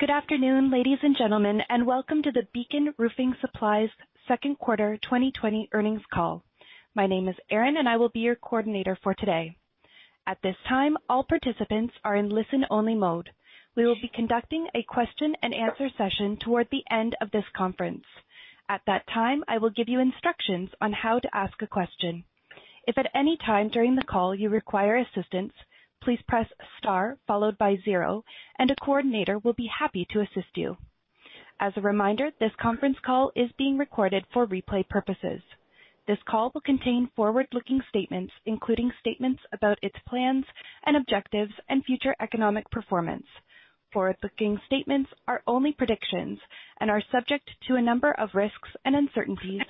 Good afternoon, ladies and gentlemen, welcome to the Beacon Roofing Supply's second quarter 2020 earnings call. My name is Erin, and I will be your Coordinator for today. At this time, all participants are in listen-only mode. We will be conducting a question and answer session toward the end of this conference. At that time, I will give you instructions on how to ask a question. If at any time during the call you require assistance, please press star followed by zero, and a coordinator will be happy to assist you. As a reminder, this conference call is being recorded for replay purposes. This call will contain forward-looking statements, including statements about its plans and objectives and future economic performance. Forward-looking statements are only predictions and are subject to a number of risks and uncertainties.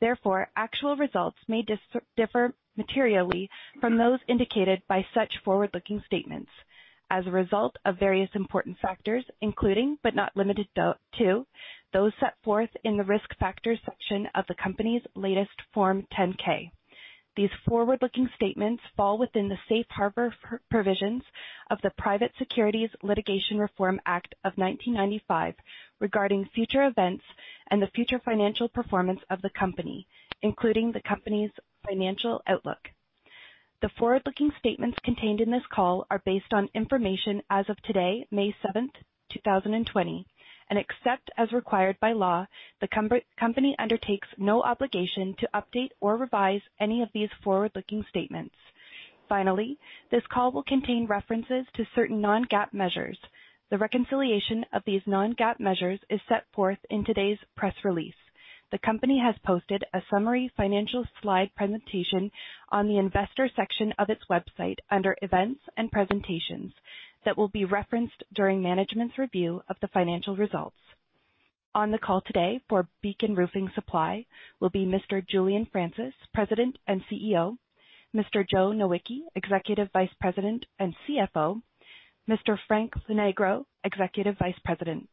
Therefore, actual results may differ materially from those indicated by such forward-looking statements as a result of various important factors, including, but not limited to, those set forth in the Risk Factors section of the company's latest Form 10-K. These forward-looking statements fall within the safe harbor provisions of the Private Securities Litigation Reform Act of 1995 regarding future events and the future financial performance of the company, including the company's financial outlook. The forward-looking statements contained in this call are based on information as of today, May 7th, 2020, and except as required by law, the company undertakes no obligation to update or revise any of these forward-looking statements. Finally, this call will contain references to certain non-GAAP measures. The reconciliation of these non-GAAP measures is set forth in today's press release. The company has posted a summary financial slide presentation on the investor section of its website under Events and Presentations that will be referenced during management's review of the financial results. On the call today for Beacon Roofing Supply will be Mr. Julian Francis, President and CEO, Mr. Joseph Nowicki, Executive Vice President and CFO, Mr. Frank Lonegro, Executive Vice President.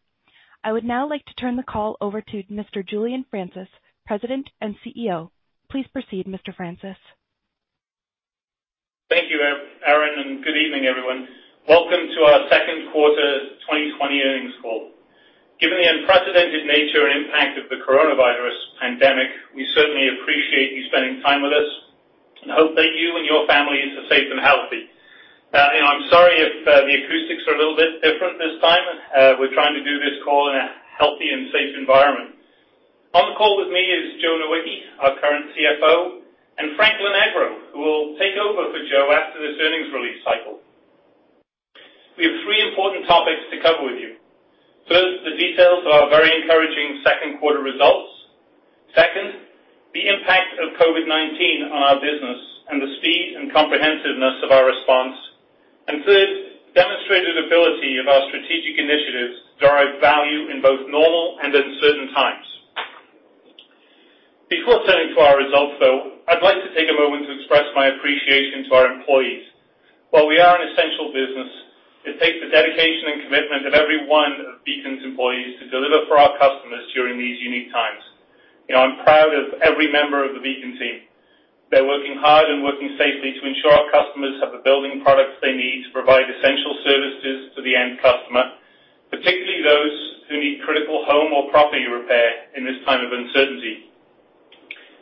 I would now like to turn the call over to Mr. Julian Francis, President and CEO. Please proceed, Mr. Francis. Thank you, Erin, and good evening, everyone. Welcome to our second quarter 2020 earnings call. Given the unprecedented nature and impact of the coronavirus pandemic, we certainly appreciate you spending time with us and hope that you and your families are safe and healthy. I'm sorry if the acoustics are a little bit different this time. We're trying to do this call in a healthy and safe environment. On the call with me is Joe Nowicki, our current CFO, and Frank Lonegro, who will take over for Joe after this earnings release cycle. We have three important topics to cover with you. First, the details of our very encouraging second quarter results. Second, the impact of COVID-19 on our business and the speed and comprehensiveness of our response. Third, demonstrated ability of our strategic initiatives to derive value in both normal and uncertain times. Before turning to our results, though, I'd like to take a moment to express my appreciation to our employees. While we are an essential business, it takes the dedication and commitment of every one of Beacon's employees to deliver for our customers during these unique times. I'm proud of every member of the Beacon team. They're working hard and working safely to ensure our customers have the building products they need to provide essential services to the end customer, particularly those who need critical home or property repair in this time of uncertainty.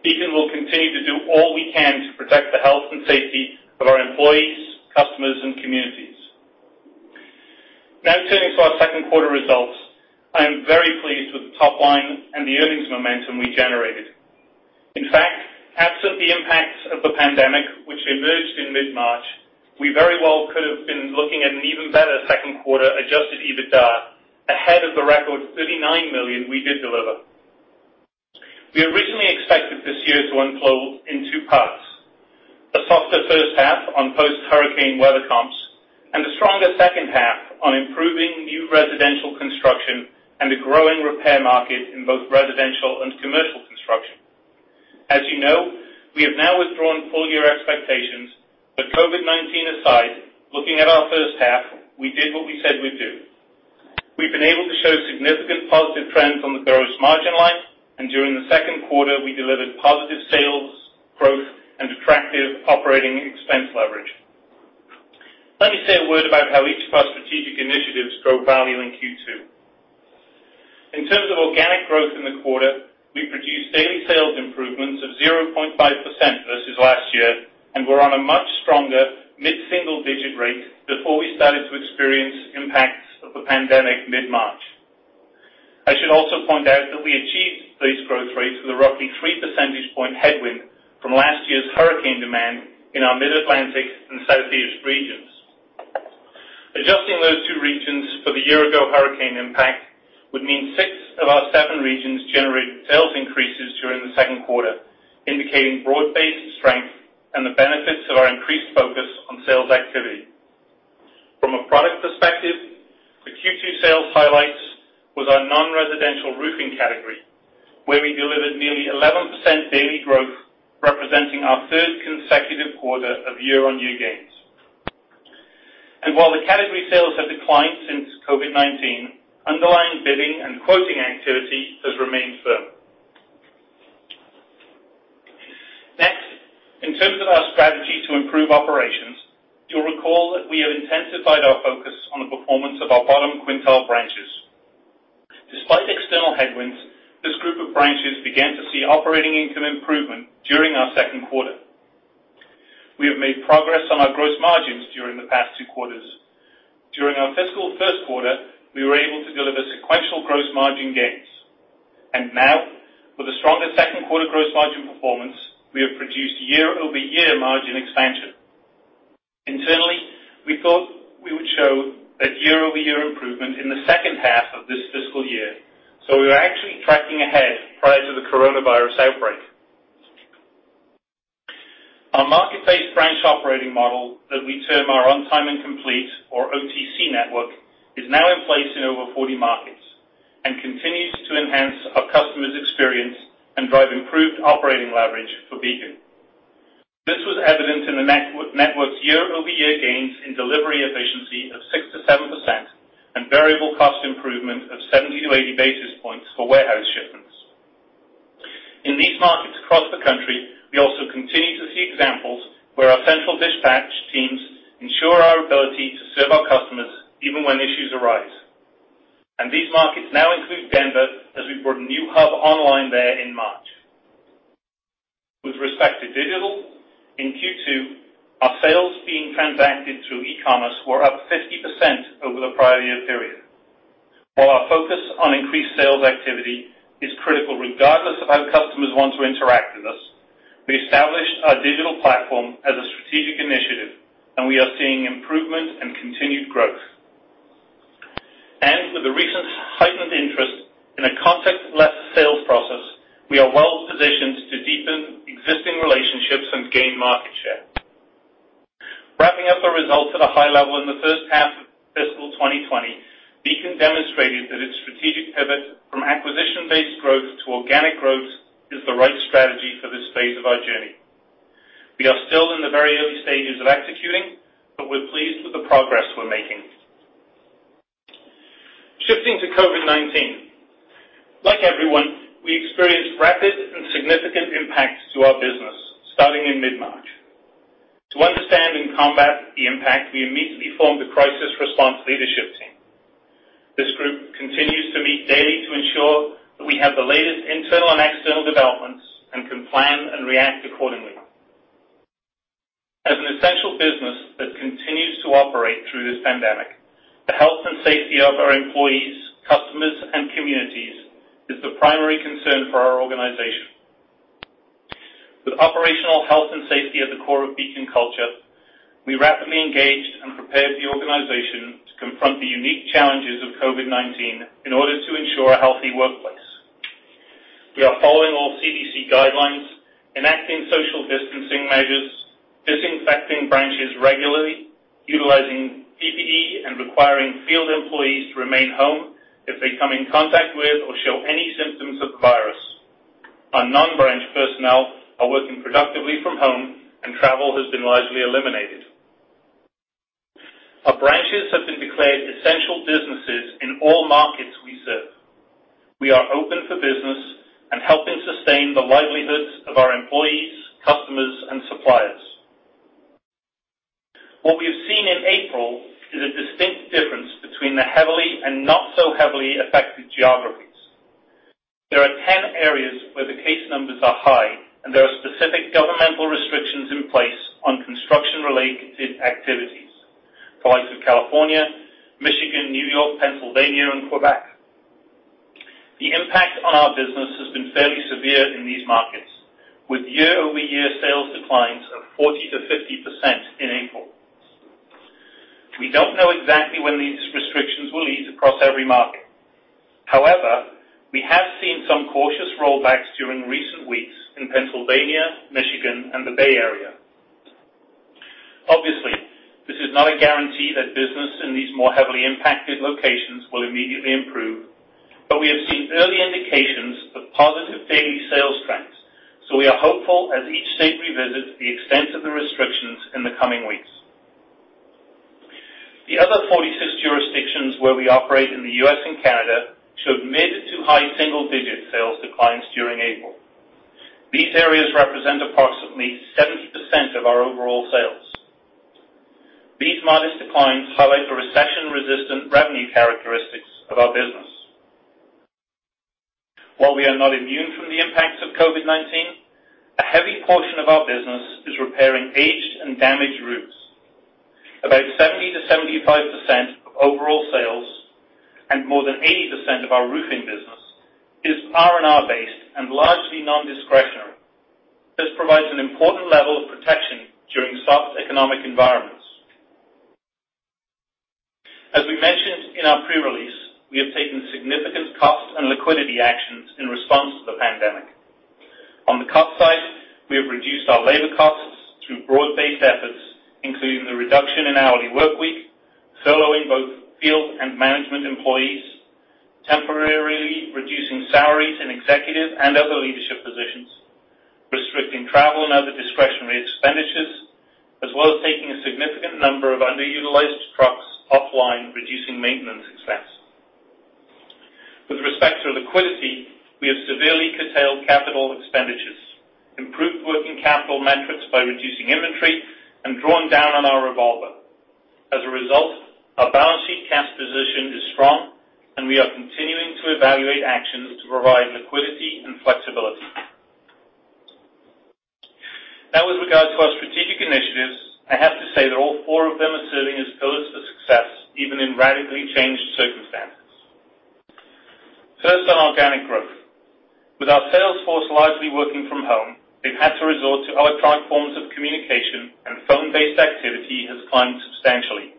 Beacon will continue to do all we can to protect the health and safety of our employees, customers, and communities. Turning to our second quarter results. I am very pleased with the top line and the earnings momentum we generated. In fact, absent the impacts of the pandemic, which emerged in mid-March, we very well could have been looking at an even better second quarter adjusted EBITDA ahead of the record $39 million we did deliver. We originally expected this year to unfold in two parts, a softer first half on post-hurricane weather comps, and a stronger second half on improving new residential construction and a growing repair market in both residential and commercial construction. As you know, we have now withdrawn full-year expectations, COVID-19 aside, looking at our first half, we did what we said we'd do. We've been able to show significant positive trends on the gross margin line. During the second quarter, we delivered positive sales growth and attractive operating expense leverage. Let me say a word about how each of our strategic initiatives drove value in Q2. In terms of organic growth in the quarter, we produced daily sales improvements of 0.5% versus last year, and we're on a much stronger mid-single-digit rate before we started to experience impacts of the pandemic mid-March. I should also point out that we achieved these growth rates with a roughly 3 percentage point headwind from last year's hurricane demand in our Mid-Atlantic and Southeast regions. Adjusting those two regions for the year-ago hurricane impact would mean six of our seven regions generated sales increases during the second quarter, indicating broad-based strength and the benefits of our increased focus on sales activity. From a product perspective, the Q2 sales highlights was our non-residential roofing category, where we delivered nearly 11% daily growth, representing our third consecutive quarter of year-on-year gains. While the category sales have declined since COVID-19, underlying bidding and quoting activity has remained firm. In terms of our strategy to improve operations, you'll recall that we have intensified our focus on the performance of our bottom quintile branches. Despite external headwinds, this group of branches began to see operating income improvement during our second quarter. We have made progress on our gross margins during the past two quarters. During our fiscal first quarter, we were able to deliver sequential gross margin gains. Now, with a stronger second quarter gross margin performance, we have produced year-over-year margin expansion. Internally, we thought we would show that year-over-year improvement in the second half of this fiscal year, so we were actually tracking ahead prior to the coronavirus outbreak. Our market-based branch operating model that we term our On Time and Complete, or OTC network, is now in place in over 40 markets and continues to enhance our customers' experience and drive improved operating leverage for Beacon. This was evident in the network's year-over-year gains in delivery efficiency of 6%-7% and variable cost improvement of 70 to 80 basis points for warehouse shipments. In these markets across the country, we also continue to see examples where our central dispatch teams ensure our ability to serve our customers even when issues arise. These markets now include Denver, as we brought a new hub online there in March. With respect to digital, in Q2, our sales being transacted through e-commerce were up 50% over the prior year period. While our focus on increased sales activity is critical regardless of how customers want to interact with us, we established our digital platform as a strategic initiative, and we are seeing improvement and continued growth. With the recent heightened interest in a contactless sales process, we are well-positioned to deepen existing relationships and gain market share. Wrapping up our results at a high level in the first half of fiscal 2020, Beacon demonstrated that its strategic pivot from acquisition-based growth to organic growth is the right strategy for this phase of our journey. We are still in the very early stages of executing, but we're pleased with the progress we're making. Shifting to COVID-19. Like everyone, we experienced rapid and significant impacts to our business starting in mid-March. To understand and combat the impact, we immediately formed a crisis response leadership team. This group continues to meet daily to ensure that we have the latest internal and external developments and can plan and react accordingly. As an essential business that continues to operate through this pandemic, the health and safety of our employees, customers, and communities is the primary concern for our organization. With operational health and safety at the core of Beacon culture, we rapidly engaged and prepared the organization to confront the unique challenges of COVID-19 in order to ensure a healthy workplace. We are following all CDC guidelines, enacting social distancing measures, disinfecting branches regularly, utilizing PPE, and requiring field employees to remain home if they come in contact with or show any symptoms of the virus. Our non-branch personnel are working productively from home, and travel has been largely eliminated. Our branches have been declared essential businesses in all markets we serve. We are open for business and helping sustain the livelihoods of our employees, customers, and suppliers. What we have seen in April is a distinct difference between the heavily and not so heavily affected geographies. There are 10 areas where the case numbers are high, and there are specific governmental restrictions in place on construction-related activities. The likes of California, Michigan, New York, Pennsylvania, and Quebec. The impact on our business has been fairly severe in these markets, with year-over-year sales declines of 40%-50% in April. We don't know exactly when these restrictions will ease across every market. However, we have seen some cautious rollbacks during recent weeks in Pennsylvania, Michigan, and the Bay Area. Obviously, this is not a guarantee that business in these more heavily impacted locations will immediately improve, but we have seen early indications of positive daily sales trends, so we are hopeful as each state revisits the extent of the restrictions in the coming weeks. The other 46 jurisdictions where we operate in the U.S. and Canada showed mid to high single-digit sales declines during April. These areas represent approximately 70% of our overall sales. These modest declines highlight the recession-resistant revenue characteristics of our business. While we are not immune from the impacts of COVID-19, a heavy portion of our business is repairing aged and damaged roofs. About 70%-75% of overall sales and more than 80% of our roofing business is R&R-based and largely non-discretionary. This provides an important level of protection during soft economic environments. As we mentioned in our pre-release, we have taken significant cost and liquidity actions in response to the pandemic. On the cost side, we have reduced our labor costs through broad-based efforts, including the reduction in hourly work week, furloughing both field and management employees, temporarily reducing salaries in executive and other leadership positions, restricting travel and other discretionary expenditures, as well as taking a significant number of underutilized trucks offline, reducing maintenance expense. We have severely curtailed capital expenditures, improved working capital metrics by reducing inventory, and drawn down on our revolver. As a result, our balance sheet cash position is strong, and we are continuing to evaluate actions to provide liquidity and flexibility. Now, with regard to our strategic initiatives, I have to say that all four of them are serving as pillars for success, even in radically changed circumstances. First, on organic growth. With our sales force largely working from home, they've had to resort to electronic forms of communication, and phone-based activity has climbed substantially.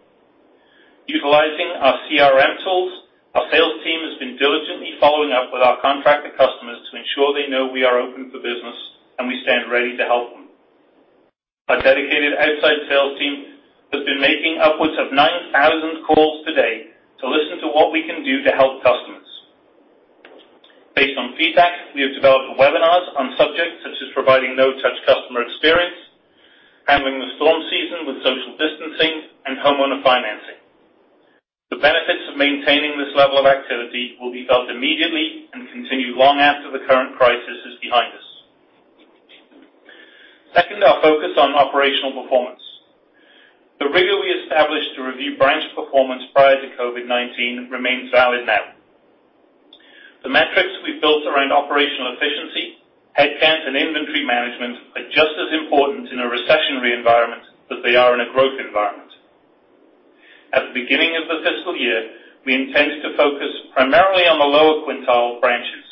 Utilizing our CRM tools, our sales team has been diligently following up with our contractor customers to ensure they know we are open for business, and we stand ready to help them. Our dedicated outside sales team has been making upwards of 9,000 calls today to listen to what we can do to help customers. Based on feedback, we have developed webinars on subjects such as providing no-touch customer experience, handling the storm season with social distancing, and homeowner financing. The benefits of maintaining this level of activity will be felt immediately and continue long after the current crisis is behind us. Second, our focus on operational performance. The rigor we established to review branch performance prior to COVID-19 remains valid now. The metrics we've built around operational efficiency, headcount, and inventory management are just as important in a recessionary environment as they are in a growth environment. At the beginning of the fiscal year, we intended to focus primarily on the lower quintile branches.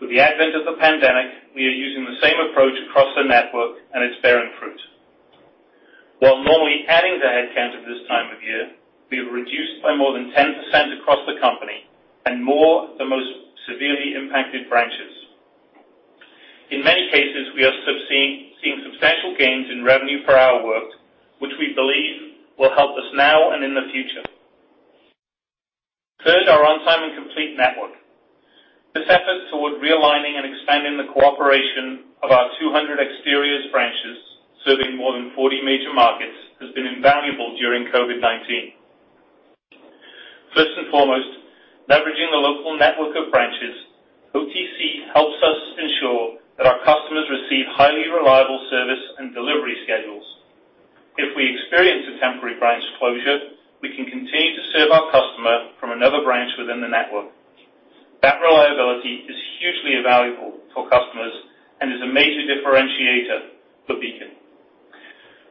With the advent of the pandemic, we are using the same approach across the network, and it's bearing fruit. While normally adding to headcount at this time of year, we've reduced by more than 10% across the company and more at the most severely impacted branches. In many cases, we are seeing substantial gains in revenue per hour worked, which we believe will help us now and in the future. Third, our On Time and Complete Network. This effort toward realigning and expanding the cooperation of our 200 exteriors branches, serving more than 40 major markets, has been invaluable during COVID-19. First and foremost, leveraging the local network of branches, OTC helps us ensure that our customers receive highly reliable service and delivery schedules. If we experience a temporary branch closure, we can continue to serve our customer from another branch within the network. That reliability is hugely valuable for customers and is a major differentiator for Beacon.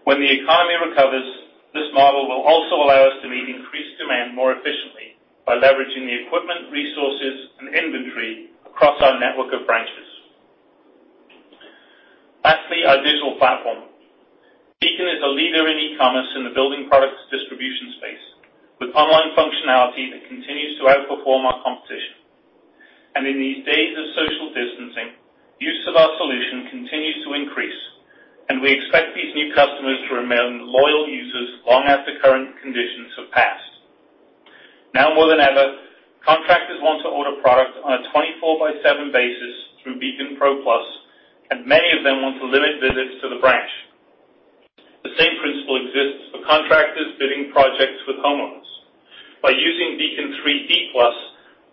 When the economy recovers, this model will also allow us to meet increased demand more efficiently by leveraging the equipment, resources, and inventory across our network of branches. Lastly, our digital platform. Beacon is a leader in e-commerce in the building products distribution space with online functionality that continues to outperform our competition. In these days of social distancing, use of our solution continues to increase, and we expect these new customers to remain loyal users long after current conditions have passed. Now more than ever, contractors want to order product on a 24 by seven basis through Beacon Pro+, and many of them want to limit visits to the branch. The same principle exists for contractors bidding projects with homeowners. By using Beacon 3D+,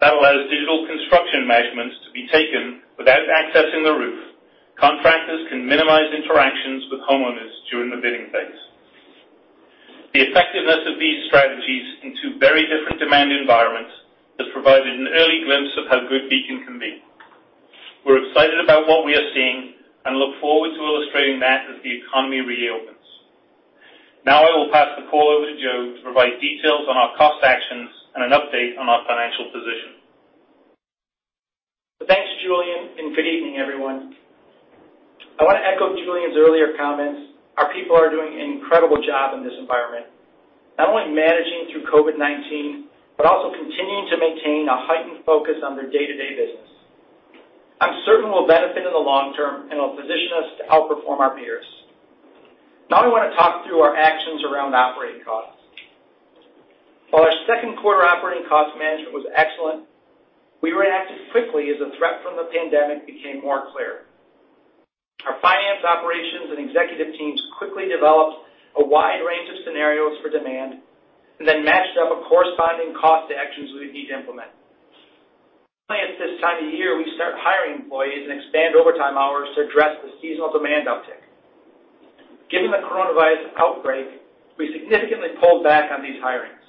that allows digital construction measurements to be taken without accessing the roof. Contractors can minimize interactions with homeowners during the bidding phase. The effectiveness of these strategies in two very different demand environments has provided an early glimpse of how good Beacon can be. We're excited about what we are seeing and look forward to illustrating that as the economy reopens. Now, I will pass the call over to Joseph to provide details on our cost actions and an update on our financial position. Thanks, Julian, and good evening, everyone. I want to echo Julian's earlier comments. Our people are doing an incredible job in this environment, not only managing through COVID-19, but also continuing to maintain a heightened focus on their day-to-day business. I'm certain we'll benefit in the long term, and it'll position us to outperform our peers. Now I want to talk through our actions around operating costs. While our second quarter operating cost management was excellent, we reacted quickly as the threat from the pandemic became more clear. Our finance operations and executive teams quickly developed a wide range of scenarios for demand and then matched up corresponding cost actions we would need to implement. Only at this time of year, we start hiring employees and expand overtime hours to address the seasonal demand uptick. Given the coronavirus outbreak, we significantly pulled back on these hirings.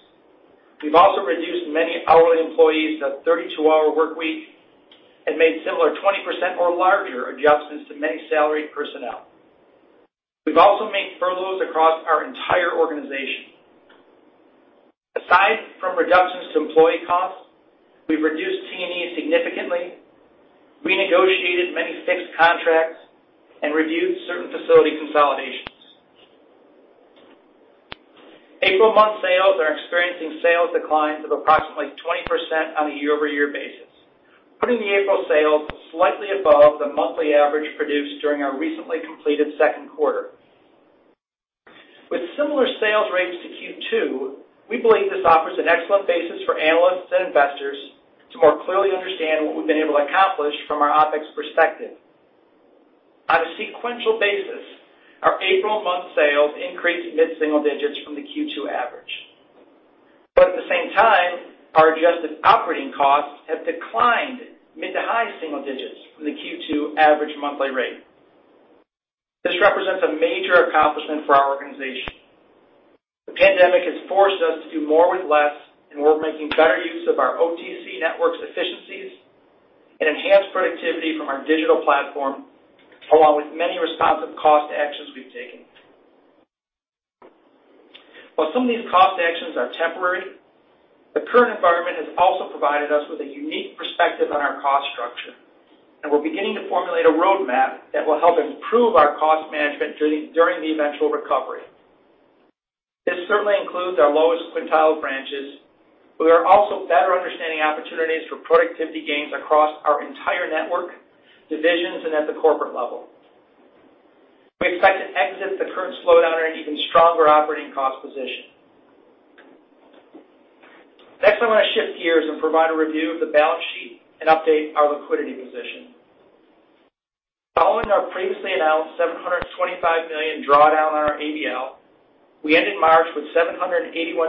We've also reduced many hourly employees to a 32-hour workweek and made similar 20% or larger adjustments to many salaried personnel. We've also made furloughs across our entire organization. Aside from reductions to employee costs, we've reduced T&E significantly, renegotiated many fixed contracts, and reviewed certain facility consolidations. April month sales are experiencing sales declines of approximately 20% on a year-over-year basis, putting the April sales slightly above the monthly average produced during our recently completed second quarter. With similar sales rates to Q2, we believe this offers an excellent basis for analysts and investors to more clearly understand what we've been able to accomplish from our OpEx perspective. On a sequential basis, our April month sales increased mid-single digits from the Q2 average. At the same time, our adjusted operating costs have declined mid to high single digits from the Q2 average monthly rate. This represents a major accomplishment for our organization. The pandemic has forced us to do more with less, and we're making better use of our OTC network's efficiencies and enhanced productivity from our digital platform, along with many responsive cost actions we've taken. While some of these cost actions are temporary, the current environment has also provided us with a unique perspective on our cost structure, and we're beginning to formulate a roadmap that will help improve our cost management during the eventual recovery. This certainly includes our lowest quintile branches, but we are also better understanding opportunities for productivity gains across our entire network divisions and at the corporate level. We expect to exit the current slowdown in an even stronger operating cost position. Next, I want to shift gears and provide a review of the balance sheet and update our liquidity position. Following our previously announced $725 million drawdown on our ABL, we ended March with $781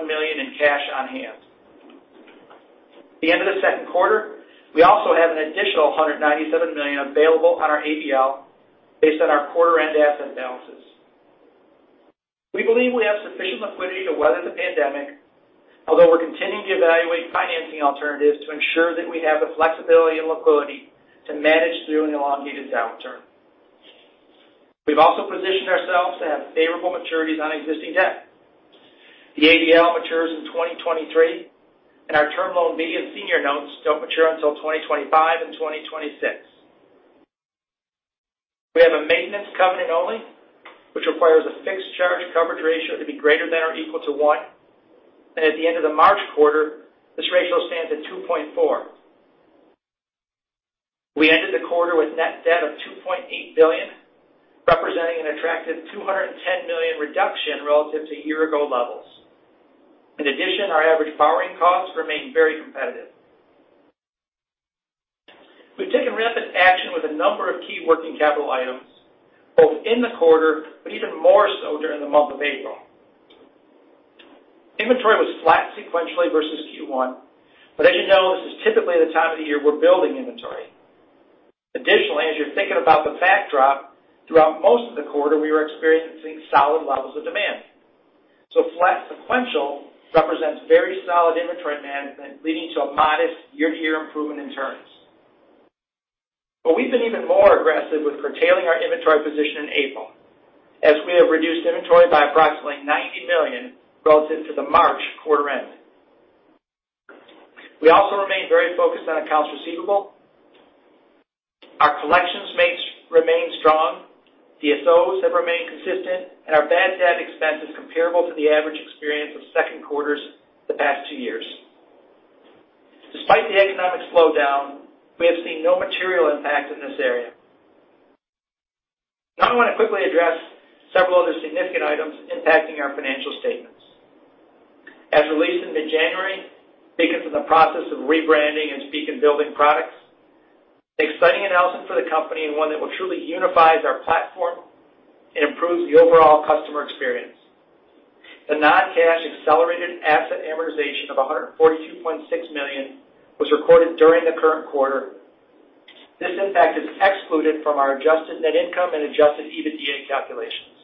million in cash on hand. At the end of the second quarter, we also have an additional $197 million available on our ABL based on our quarter-end asset balances. We believe we have sufficient liquidity to weather the pandemic, although we're continuing to evaluate financing alternatives to ensure that we have the flexibility and liquidity to manage through an elongated downturn. We've also positioned ourselves to have favorable maturities on existing debt. The ABL matures in 2023. Our Term Loan B and senior notes don't mature until 2025 and 2026. We have a maintenance covenant only, which requires a fixed charge coverage ratio to be greater than or equal to one. At the end of the March quarter, this ratio stands at 2.4. We ended the quarter with net debt of $2.8 billion, representing an attractive $210 million reduction relative to year-ago levels. In addition, our average borrowing costs remain very competitive. We've taken rapid action with a number of key working capital items, both in the quarter but even more so during the month of April. Inventory was flat sequentially versus Q1. As you know, this is typically the time of the year we're building inventory. Additionally, as you're thinking about the backdrop, throughout most of the quarter, we were experiencing solid levels of demand. Flat sequential represents very solid inventory management, leading to a modest year-to-year improvement in terms. We've been even more aggressive with curtailing our inventory position in April, as we have reduced inventory by approximately $90 million relative to the March quarter end. We also remain very focused on accounts receivable. Our collections rates remain strong, DSOs have remained consistent, and our bad debt expense is comparable to the average experience of second quarters the past two years. Despite the economic slowdown, we have seen no material impact in this area. I want to quickly address several other significant items impacting our financial statements. As released in mid-January, Beacon is in the process of rebranding its Beacon Building Products, an exciting announcement for the company, and one that will truly unifies our platform and improves the overall customer experience. The non-cash accelerated asset amortization of $142.6 million was recorded during the current quarter. This impact is excluded from our adjusted net income and adjusted EBITDA calculations.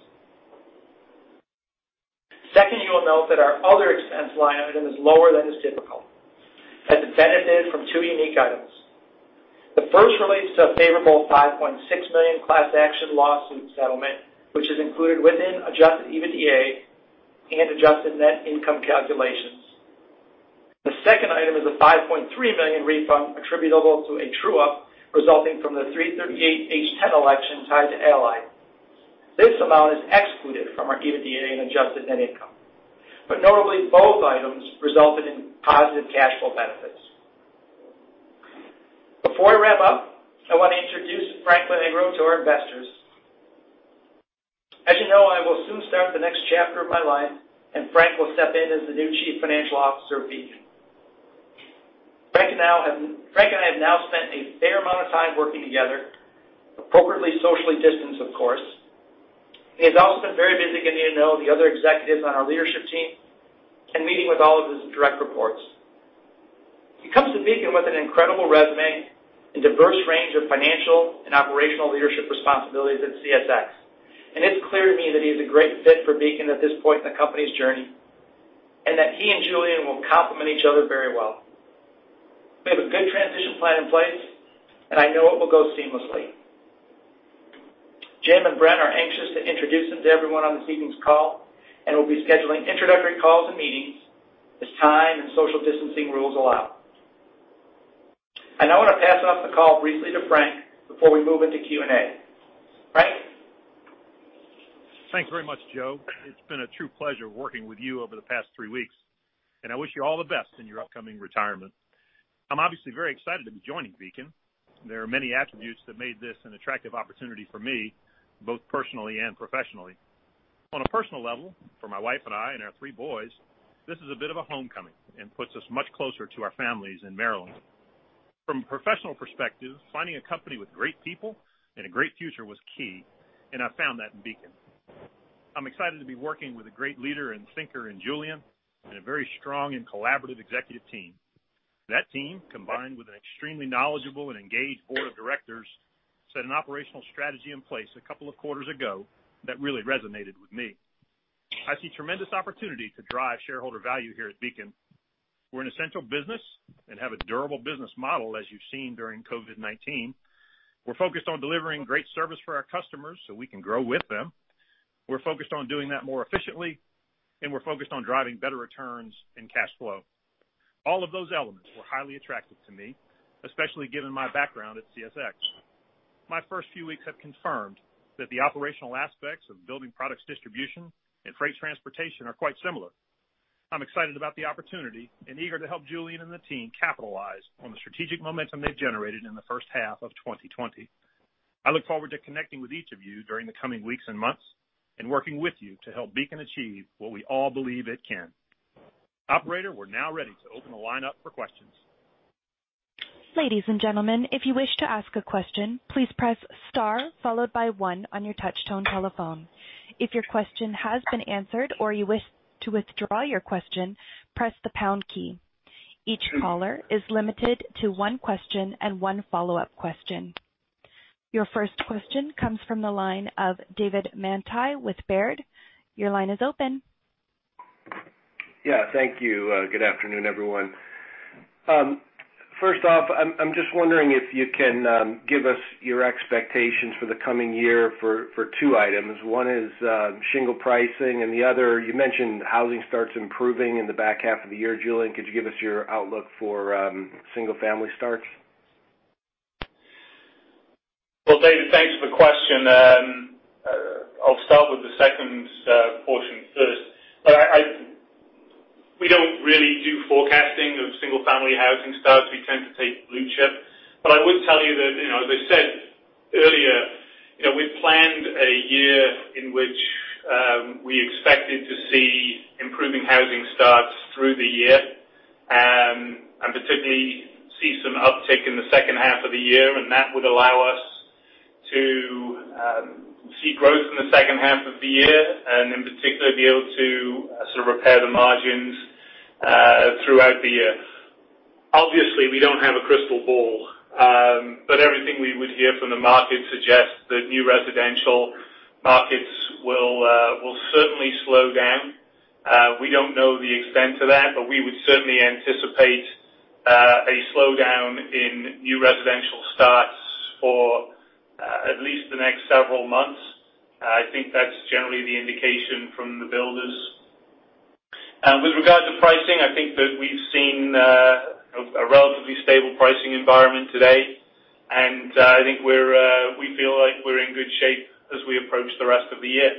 Second, you will note that our other expense line item is lower than is typical, as it benefited from two unique items. The first relates to a favorable $5.6 million class action lawsuit settlement, which is included within adjusted EBITDA and adjusted net income calculations. The second item is a $5.3 million refund attributable to a true-up resulting from the 338(h)(10) election tied to Allied. This amount is excluded from our EBITDA and adjusted net income. Notably, both items resulted in positive cash flow benefits. Before I wrap up, I want to introduce Frank Lonegro to our investors. As you know, I will soon start the next chapter of my life, and Frank will step in as the new Chief Financial Officer of Beacon. Frank and I have now spent a fair amount of time working together, appropriately socially distanced, of course. He has also been very busy getting to know the other executives on our leadership team and meeting with all of his direct reports. He comes to Beacon with an incredible resume and diverse range of financial and operational leadership responsibilities at CSX, and it's clear to me that he's a great fit for Beacon at this point in the company's journey, and that he and Julian will complement each other very well. We have a good transition plan in place, and I know it will go seamlessly. Jim and Brent are anxious to introduce him to everyone on this evening's call and will be scheduling introductory calls and meetings as time and social distancing rules allow. Now I want to pass off the call briefly to Frank before we move into Q&A. Frank? Thanks very much, Joe. It's been a true pleasure working with you over the past three weeks, and I wish you all the best in your upcoming retirement. I'm obviously very excited to be joining Beacon. There are many attributes that made this an attractive opportunity for me, both personally and professionally. On a personal level, for my wife and I and our three boys, this is a bit of a homecoming and puts us much closer to our families in Maryland. From a professional perspective, finding a company with great people and a great future was key, and I found that in Beacon. I'm excited to be working with a great leader and thinker in Julian, and a very strong and collaborative executive team. That team, combined with an extremely knowledgeable and engaged board of directors, set an operational strategy in place a couple of quarters ago that really resonated with me. I see tremendous opportunity to drive shareholder value here at Beacon. We're an essential business and have a durable business model, as you've seen during COVID-19. We're focused on delivering great service for our customers so we can grow with them. We're focused on doing that more efficiently, and we're focused on driving better returns and cash flow. All of those elements were highly attractive to me, especially given my background at CSX. My first few weeks have confirmed that the operational aspects of building products distribution and freight transportation are quite similar. I'm excited about the opportunity and eager to help Julian and the team capitalize on the strategic momentum they've generated in the first half of 2020. I look forward to connecting with each of you during the coming weeks and months, and working with you to help Beacon achieve what we all believe it can. Operator, we're now ready to open the line up for questions. Ladies and gentlemen, if you wish to ask a question, please press star followed by one on your touch-tone telephone. If your question has been answered or you wish to withdraw your question, press the pound key. Each caller is limited to one question and one follow-up question. Your first question comes from the line of David Manthey with Baird. Your line is open. Yeah, thank you. Good afternoon, everyone. First off, I'm just wondering if you can give us your expectations for the coming year for two items. One is shingle pricing and the other, you mentioned housing starts improving in the back half of the year. Julian, could you give us your outlook for single-family starts? Well, David, thanks for the question. I'll start with the second portion first. We don't really do forecasting of single-family housing starts. We tend to take blue chip. I would tell you that, as I said earlier, we planned a year in which we expected to see improving housing starts through the year, and particularly see some uptick in the second half of the year, and that would allow us to see growth in the second half of the year and in particular, be able to repair the margins throughout the year. Obviously, we don't have a crystal ball. Everything we would hear from the market suggests that new residential markets will certainly slow down. We don't know the extent of that, but we would certainly anticipate a slowdown in new residential starts for at least the next several months. I think that's generally the indication from the builders. With regard to pricing, I think that we've seen a relatively stable pricing environment today, and I think we feel like we're in good shape as we approach the rest of the year.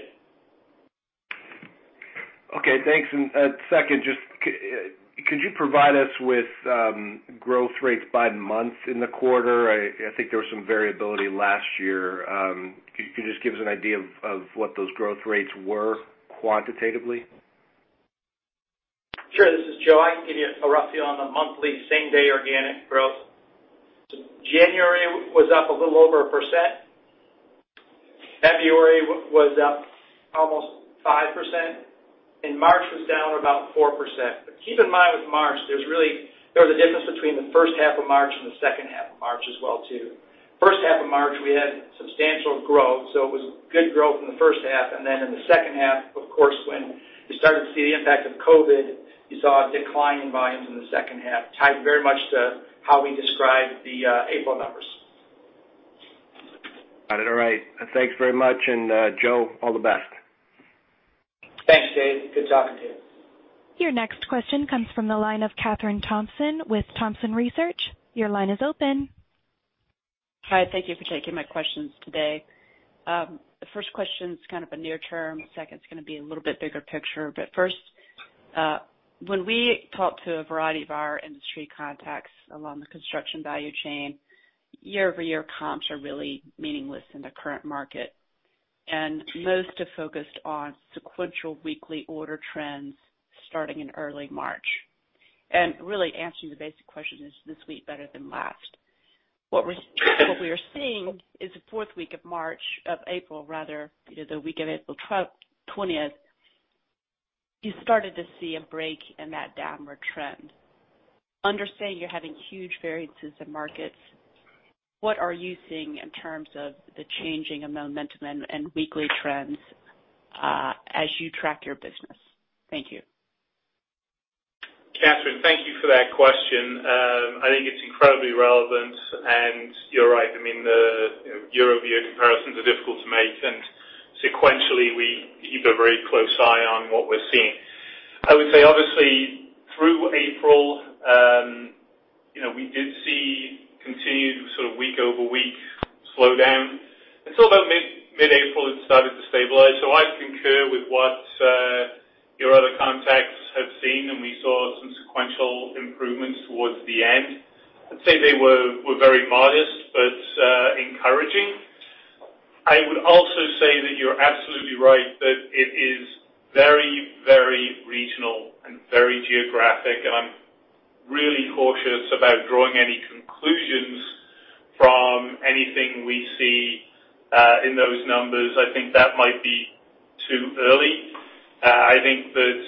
Okay, thanks. Second, just could you provide us with growth rates by months in the quarter? I think there was some variability last year. Could you just give us an idea of what those growth rates were quantitatively? Sure. This is Joe. I can give you a rough feel on the monthly same-day organic growth. January was up a little over a percent. February was up almost 5%, and March was down about 4%. Keep in mind, with March, there was a difference between the first half of March and the second half of March as well, too. First half of March, we had substantial growth, so it was good growth in the first half, and then in the second half, of course, when you started to see the impact of COVID, you saw a decline in volumes in the second half, tied very much to how we described the April numbers. Got it. All right. Thanks very much. Joe, all the best. Thanks, Dave. Good talking to you. Your next question comes from the line of Kathryn Thompson with Thompson Research. Your line is open. Hi, thank you for taking my questions today. The first question's kind of a near term. Second is going to be a little bit bigger picture. First, when we talk to a variety of our industry contacts along the construction value chain, year-over-year comps are really meaningless in the current market. Most are focused on sequential weekly order trends starting in early March. Really answering the basic question, is this week better than last? What we are seeing is the fourth week of March, of April rather, the week of April 20th, you started to see a break in that downward trend. Understand you're having huge variances in markets. What are you seeing in terms of the changing of momentum and weekly trends as you track your business? Thank you. Kathryn, thank you for that question. I think it's incredibly relevant, and you're right. Year-over-year comparisons are difficult to make. Sequentially, we keep a very close eye on what we're seeing. I would say, obviously, through April, we did see continued week-over-week slowdown until about mid-April, it started to stabilize. I concur with what your other contacts have seen. We saw some sequential improvements towards the end. I'd say they were very modest but encouraging. I would also say that you're absolutely right that it is very regional and very geographic. I'm really cautious about drawing any conclusions from anything we see in those numbers. I think that might be too early. I think that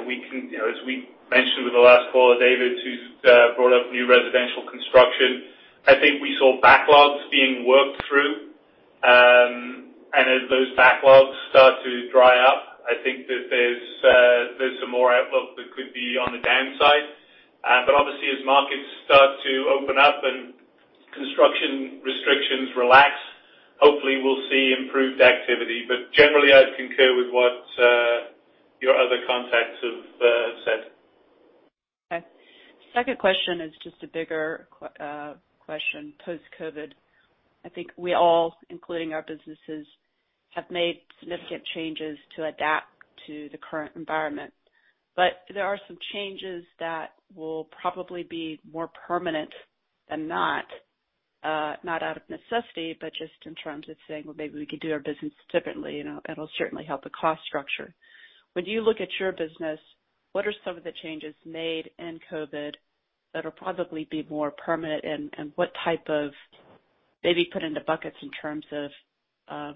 as we mentioned with the last call, David, who's brought up new residential construction, I think we saw backlogs being worked through. As those backlogs start to dry up, I think that there's some more outlook that could be on the downside. Obviously as markets start to open up and construction restrictions relax, hopefully we'll see improved activity. Generally, I'd concur with what your other contacts have said. Okay. Second question is just a bigger question post-COVID. I think we all, including our businesses, have made significant changes to adapt to the current environment. There are some changes that will probably be more permanent than not out of necessity, but just in terms of saying, "Well, maybe we could do our business differently," and it'll certainly help the cost structure. When you look at your business, what are some of the changes made in COVID that'll probably be more permanent, and what type of maybe put into buckets in terms of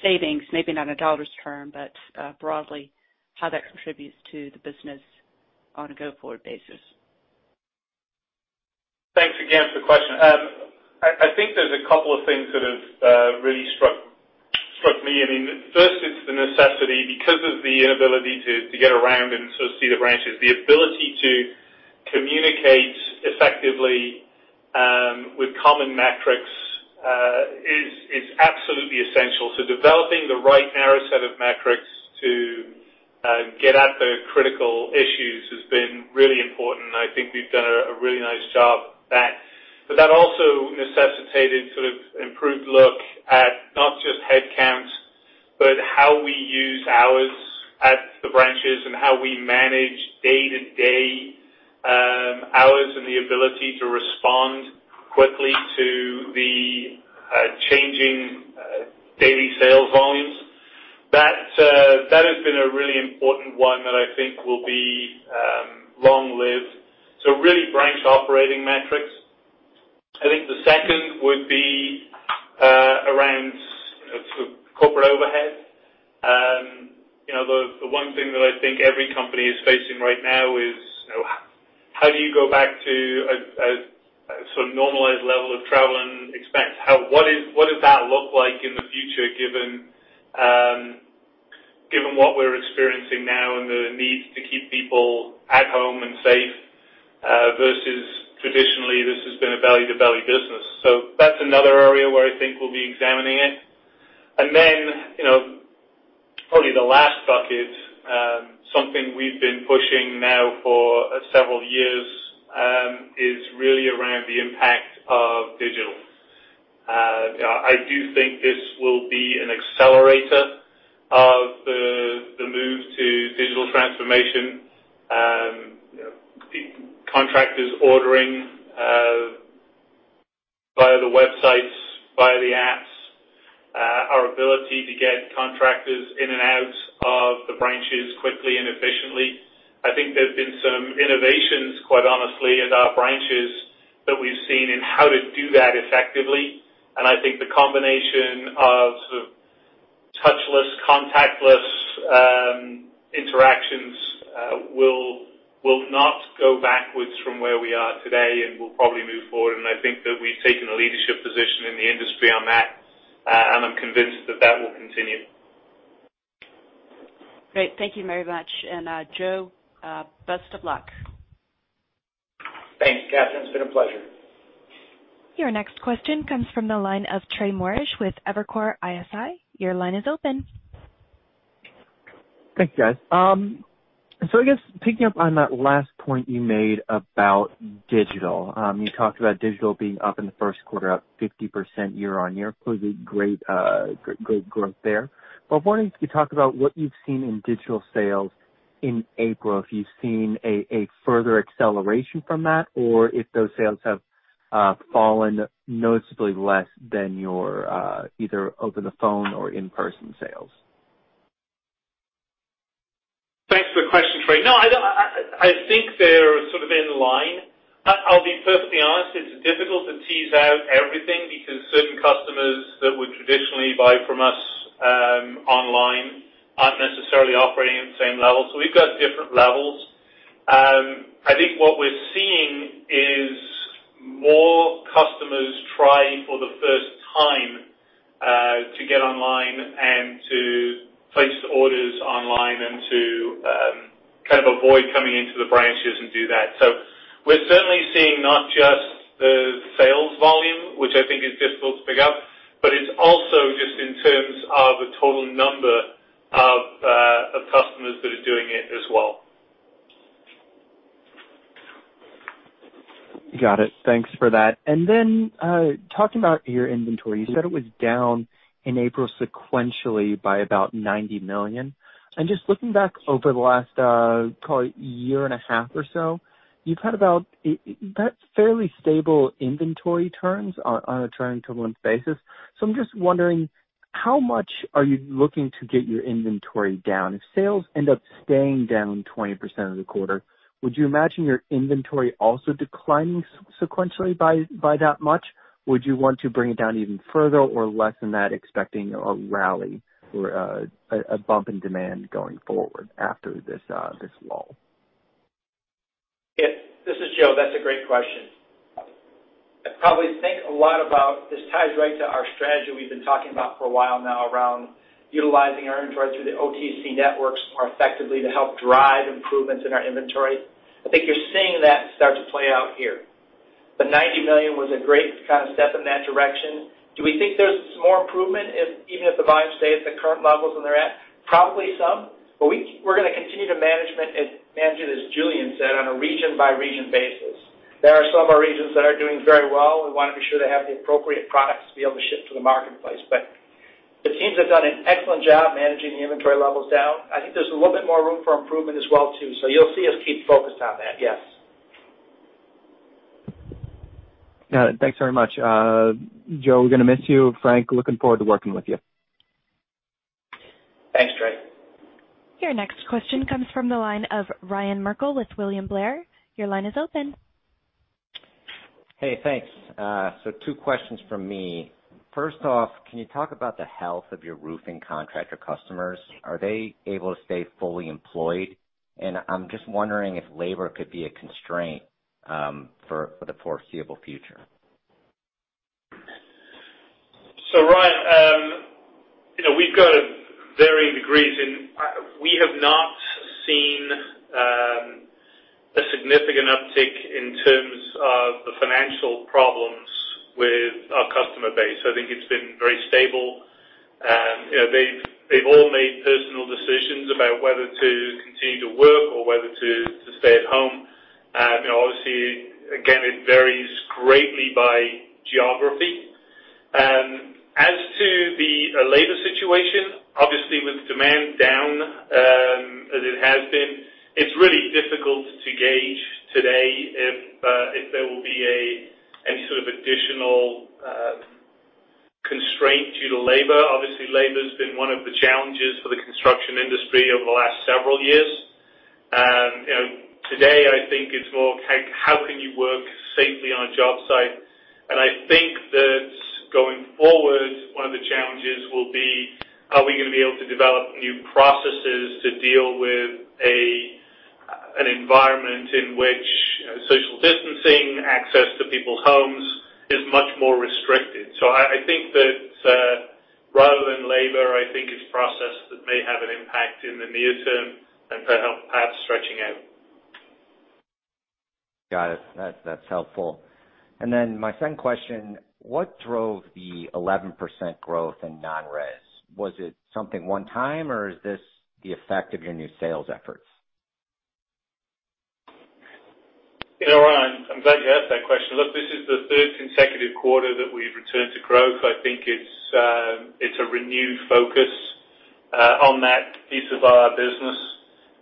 savings, maybe not in a dollars term, but broadly how that contributes to the business on a go-forward basis? Thanks again for the question. I think there's a couple of things that have really struck me. I mean, first it's the necessity, because of the inability to get around and see the branches. The ability to communicate effectively with common metrics is absolutely essential. Developing the right narrow set of metrics to get at the critical issues has been really important, and I think we've done a really nice job at that. That also necessitated sort of improved look at not just headcounts, but how we use hours at the branches and how we manage day-to-day hours and the ability to respond quickly to the changing daily sales volumes. That has been a really important one that I think will be long-lived. Really branch operating metrics. I think the second would be around corporate overhead. The one thing that I think every company is facing right now is how do you go back to a sort of normalized level of travel and expense? What does that look like in the future, given what we're experiencing now and the need to keep people at home and safe, versus traditionally this has been a belly-to-belly business. That's another area where I think we'll be examining it. Probably the last bucket, something we've been pushing now for several years, is really around the impact of digital. I do think this will be an accelerator of the move to digital transformation. Contractors ordering via the websites, via the apps, our ability to get contractors in and out of the branches quickly and efficiently. I think there have been some innovations, quite honestly, at our branches that we've seen in how to do that effectively. I think the combination of sort of touchless, contactless interactions will not go backwards from where we are today and will probably move forward. I think that we've taken a leadership position in the industry on that, and I'm convinced that that will continue. Great. Thank you very much. Joe, best of luck. Thanks, Kathryn. It's been a pleasure. Your next question comes from the line of Trey Morrish with Evercore ISI. Your line is open. Thanks, guys. I guess picking up on that last point you made about digital. You talked about digital being up in the first quarter, up 50% year-on-year. Clearly great growth there. I was wondering if you could talk about what you've seen in digital sales in April, if you've seen a further acceleration from that, or if those sales have fallen noticeably less than your either over the phone or in-person sales. Thanks for the question, Trey. No, I think they're sort of in line. I'll be perfectly honest, it's difficult to tease out everything because certain customers that would traditionally buy from us online aren't necessarily operating at the same level. We've got different levels. I think what we're seeing is more customers try for the first time to get online and to place the orders online and to kind of avoid coming into the branches and do that. We're certainly seeing not just the sales volume, which I think is difficult to pick up, but it's also just in terms of the total number of customers that are doing it as well. Got it. Thanks for that. Talking about your inventory, you said it was down in April sequentially by about $90 million. Just looking back over the last probably year and a half or so, you've had about fairly stable inventory turns on a turning total and basis. I'm just wondering how much are you looking to get your inventory down? If sales end up staying down 20% in the quarter, would you imagine your inventory also declining sequentially by that much? Would you want to bring it down even further or less than that, expecting a rally or a bump in demand going forward after this lull? Yes. This is Joe. That's a great question. I probably think a lot about this ties right to our strategy we've been talking about for a while now around utilizing our inventory through the OTC networks more effectively to help drive improvements in our inventory. I think you're seeing that start to play out here. The $90 million was a great kind of step in that direction. Do we think there's more improvement even if the volumes stay at the current levels than they're at? Probably some. We're going to continue to manage it, as Julian said, on a region-by-region basis. There are some of our regions that are doing very well. We want to be sure they have the appropriate products to be able to ship to the marketplace. The teams have done an excellent job managing the inventory levels down. I think there's a little bit more room for improvement as well too. You'll see us keep focused on that, yes. Got it. Thanks very much. Joe, we're going to miss you. Frank, looking forward to working with you. Thanks, Trey. Your next question comes from the line of Ryan Merkel with William Blair. Your line is open. Hey, thanks. Two questions from me. First off, can you talk about the health of your roofing contractor customers? Are they able to stay fully employed? I'm just wondering if labor could be a constraint for the foreseeable future. Ryan, we've got varying degrees, and we have not seen a significant uptick in terms of the financial problems with our customer base. I think it's been very stable. They've all made personal decisions about whether to continue to work or whether to stay at home. Obviously, again, it varies greatly by geography. As to the labor situation, obviously with demand down as it has been, it's really difficult to gauge today if there will be any sort of additional constraint due to labor. Obviously, labor's been one of the challenges for the construction industry over the last several years. Today I think it's more, how can you work safely on a job site? I think that going forward, one of the challenges will be, are we going to be able to develop new processes to deal with an environment in which social distancing, access to people's homes is much more restricted. I think that rather than labor, I think it's process that may have an impact in the near term and perhaps stretching out. Got it. That's helpful. My second question, what drove the 11% growth in non-res? Was it something one time, or is this the effect of your new sales efforts? Yeah, Ryan, I'm glad you asked that question. Look, this is the third consecutive quarter that we've returned to growth. I think it's a renewed focus on that piece of our business.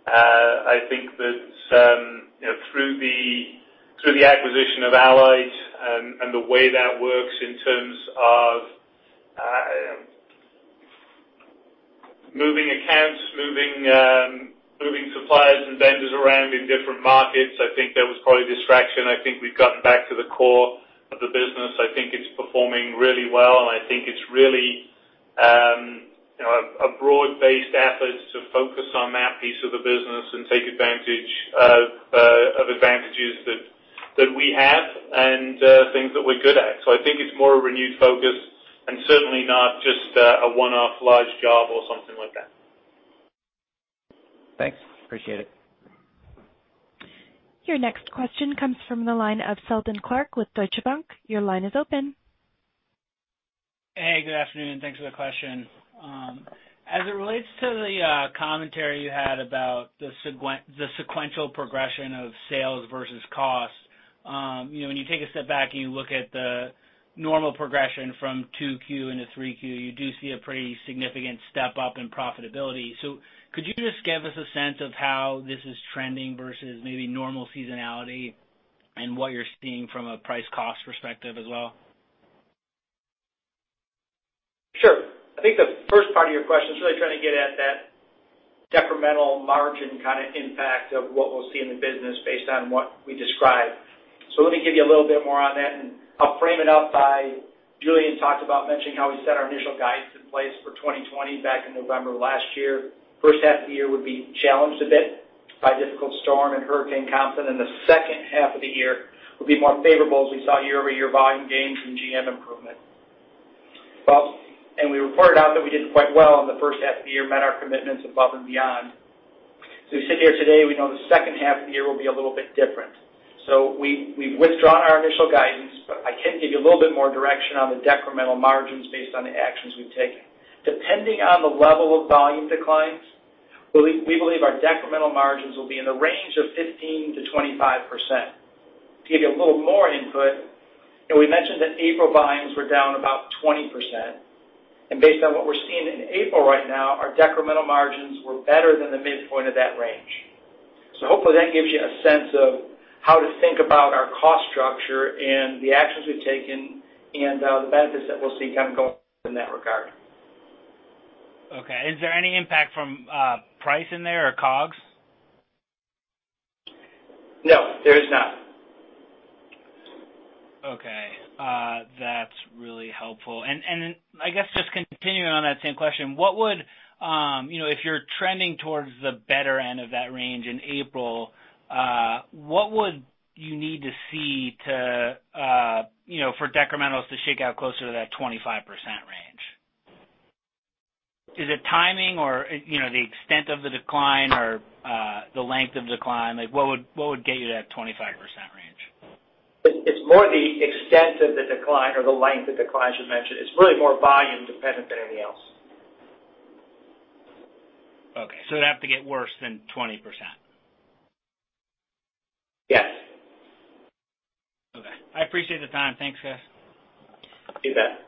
I think that through the acquisition of Allied and the way that works in terms of moving accounts, moving suppliers and vendors around in different markets, I think there was probably distraction. I think we've gotten back to the core of the business. I think it's performing really well, and I think it's really a broad-based effort to focus on that piece of the business and take advantage of advantages that we have and things that we're good at. I think it's more a renewed focus and certainly not just a one-off large job or something like that. Thanks. Appreciate it. Your next question comes from the line of Seldon Clarke with Deutsche Bank. Your line is open. Hey, good afternoon. Thanks for the question. As it relates to the commentary you had about the sequential progression of sales versus cost, when you take a step back and you look at the normal progression from 2Q into 3Q, you do see a pretty significant step-up in profitability. Could you just give us a sense of how this is trending versus maybe normal seasonality and what you're seeing from a price cost perspective as well? Sure. I think the first part of your question is really trying to get at that detrimental margin kind of impact of what we'll see in the business based on what we described. Let me give you a little bit more on that, and I'll frame it up by Julian talked about mentioning how we set our initial guidance in place for 2020 back in November last year. First half of the year would be challenged a bit by difficult storm and hurricane weather comps, and the second half of the year will be more favorable as we saw year-over-year volume gains and GM improvement. We reported out that we did quite well in the first half of the year, met our commitments above and beyond. We sit here today, we know the second half of the year will be a little bit different. We've withdrawn our initial guidance, but I can give you a little bit more direction on the decremental margins based on the actions we've taken. Depending on the level of volume declines, we believe our decremental margins will be in the range of 15%-25%. To give you a little more input, we mentioned that April volumes were down about 20%, and based on what we're seeing in April right now, our decremental margins were better than the midpoint of that range. Hopefully that gives you a sense of how to think about our cost structure and the actions we've taken and the benefits that we'll see kind of going in that regard. Okay. Is there any impact from price in there or COGS? No, there is not. Okay. That's really helpful. I guess just continuing on that same question, if you're trending towards the better end of that range in April, what would you need to see for decrementals to shake out closer to that 25% range? Is it timing or the extent of the decline or the length of decline? What would get you to that 25% range? It's more the extent of the decline or the length of decline, as you mentioned. It's really more volume dependent than anything else. Okay. It'd have to get worse than 20%. Yes. Okay. I appreciate the time. Thanks, guys. You bet. Your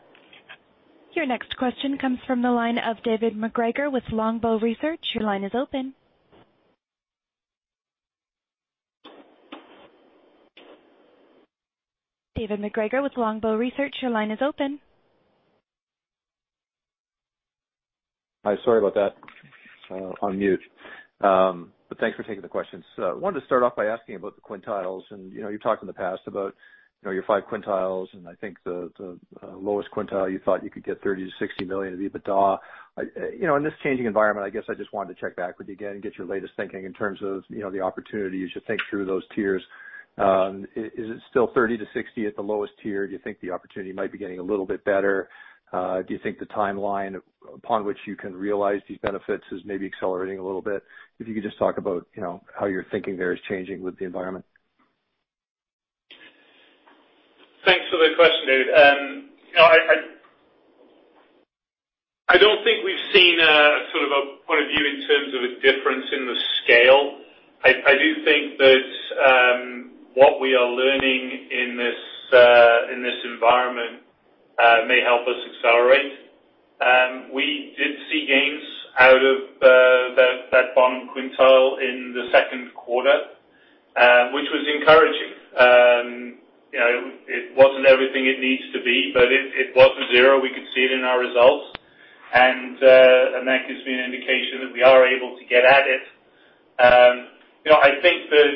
next question comes from the line of David MacGregor with Longbow Research. Your line is open. David MacGregor with Longbow Research, your line is open. Hi, sorry about that. On mute. Thanks for taking the questions. Wanted to start off by asking about the quintiles, and you've talked in the past about your five quintiles, and I think the lowest quintile, you thought you could get $30 million-$60 million of EBITDA. In this changing environment, I guess I just wanted to check back with you again and get your latest thinking in terms of the opportunities you think through those tiers. Is it still $30 million-$60 million at the lowest tier? Do you think the opportunity might be getting a little bit better? Do you think the timeline upon which you can realize these benefits is maybe accelerating a little bit? If you could just talk about how your thinking there is changing with the environment. Thanks for the question, David. I don't think we've seen a point of view in terms of a difference in the scale. I do think that what we are learning in this environment may help us accelerate. We did see gains out of that bottom quintile in the second quarter, which was encouraging. It wasn't everything it needs to be, but it wasn't zero. We could see it in our results. That gives me an indication that we are able to get at it. I think that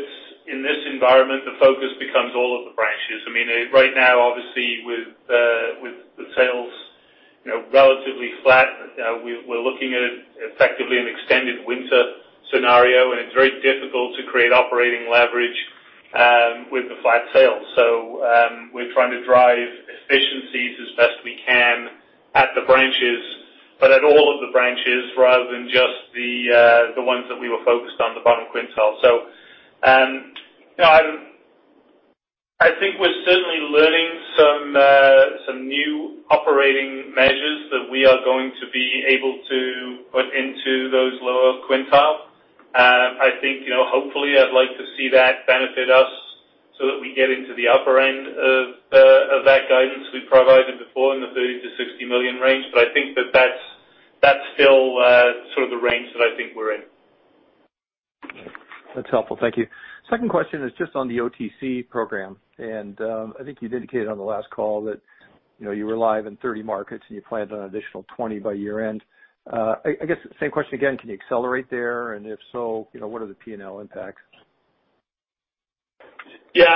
in this environment, the focus becomes all of the branches. Right now, obviously, with the sales relatively flat, we're looking at effectively an extended winter scenario, and it's very difficult to create operating leverage with the flat sales. We're trying to drive efficiencies as best we can at the branches, but at all of the branches rather than just the ones that we were focused on, the bottom quintile. I think we're certainly learning some new operating measures that we are going to be able to put into those lower quintile. Hopefully I'd like to see that benefit us so that we get into the upper end of that guidance we provided before in the $30 million-$60 million range. I think that that's still sort of the range that I think we're in. That's helpful. Thank you. Second question is just on the OTC program. I think you've indicated on the last call that you were live in 30 markets, and you planned on an additional 20 by year-end. I guess same question again, can you accelerate there? If so, what are the P&L impacts? Yeah,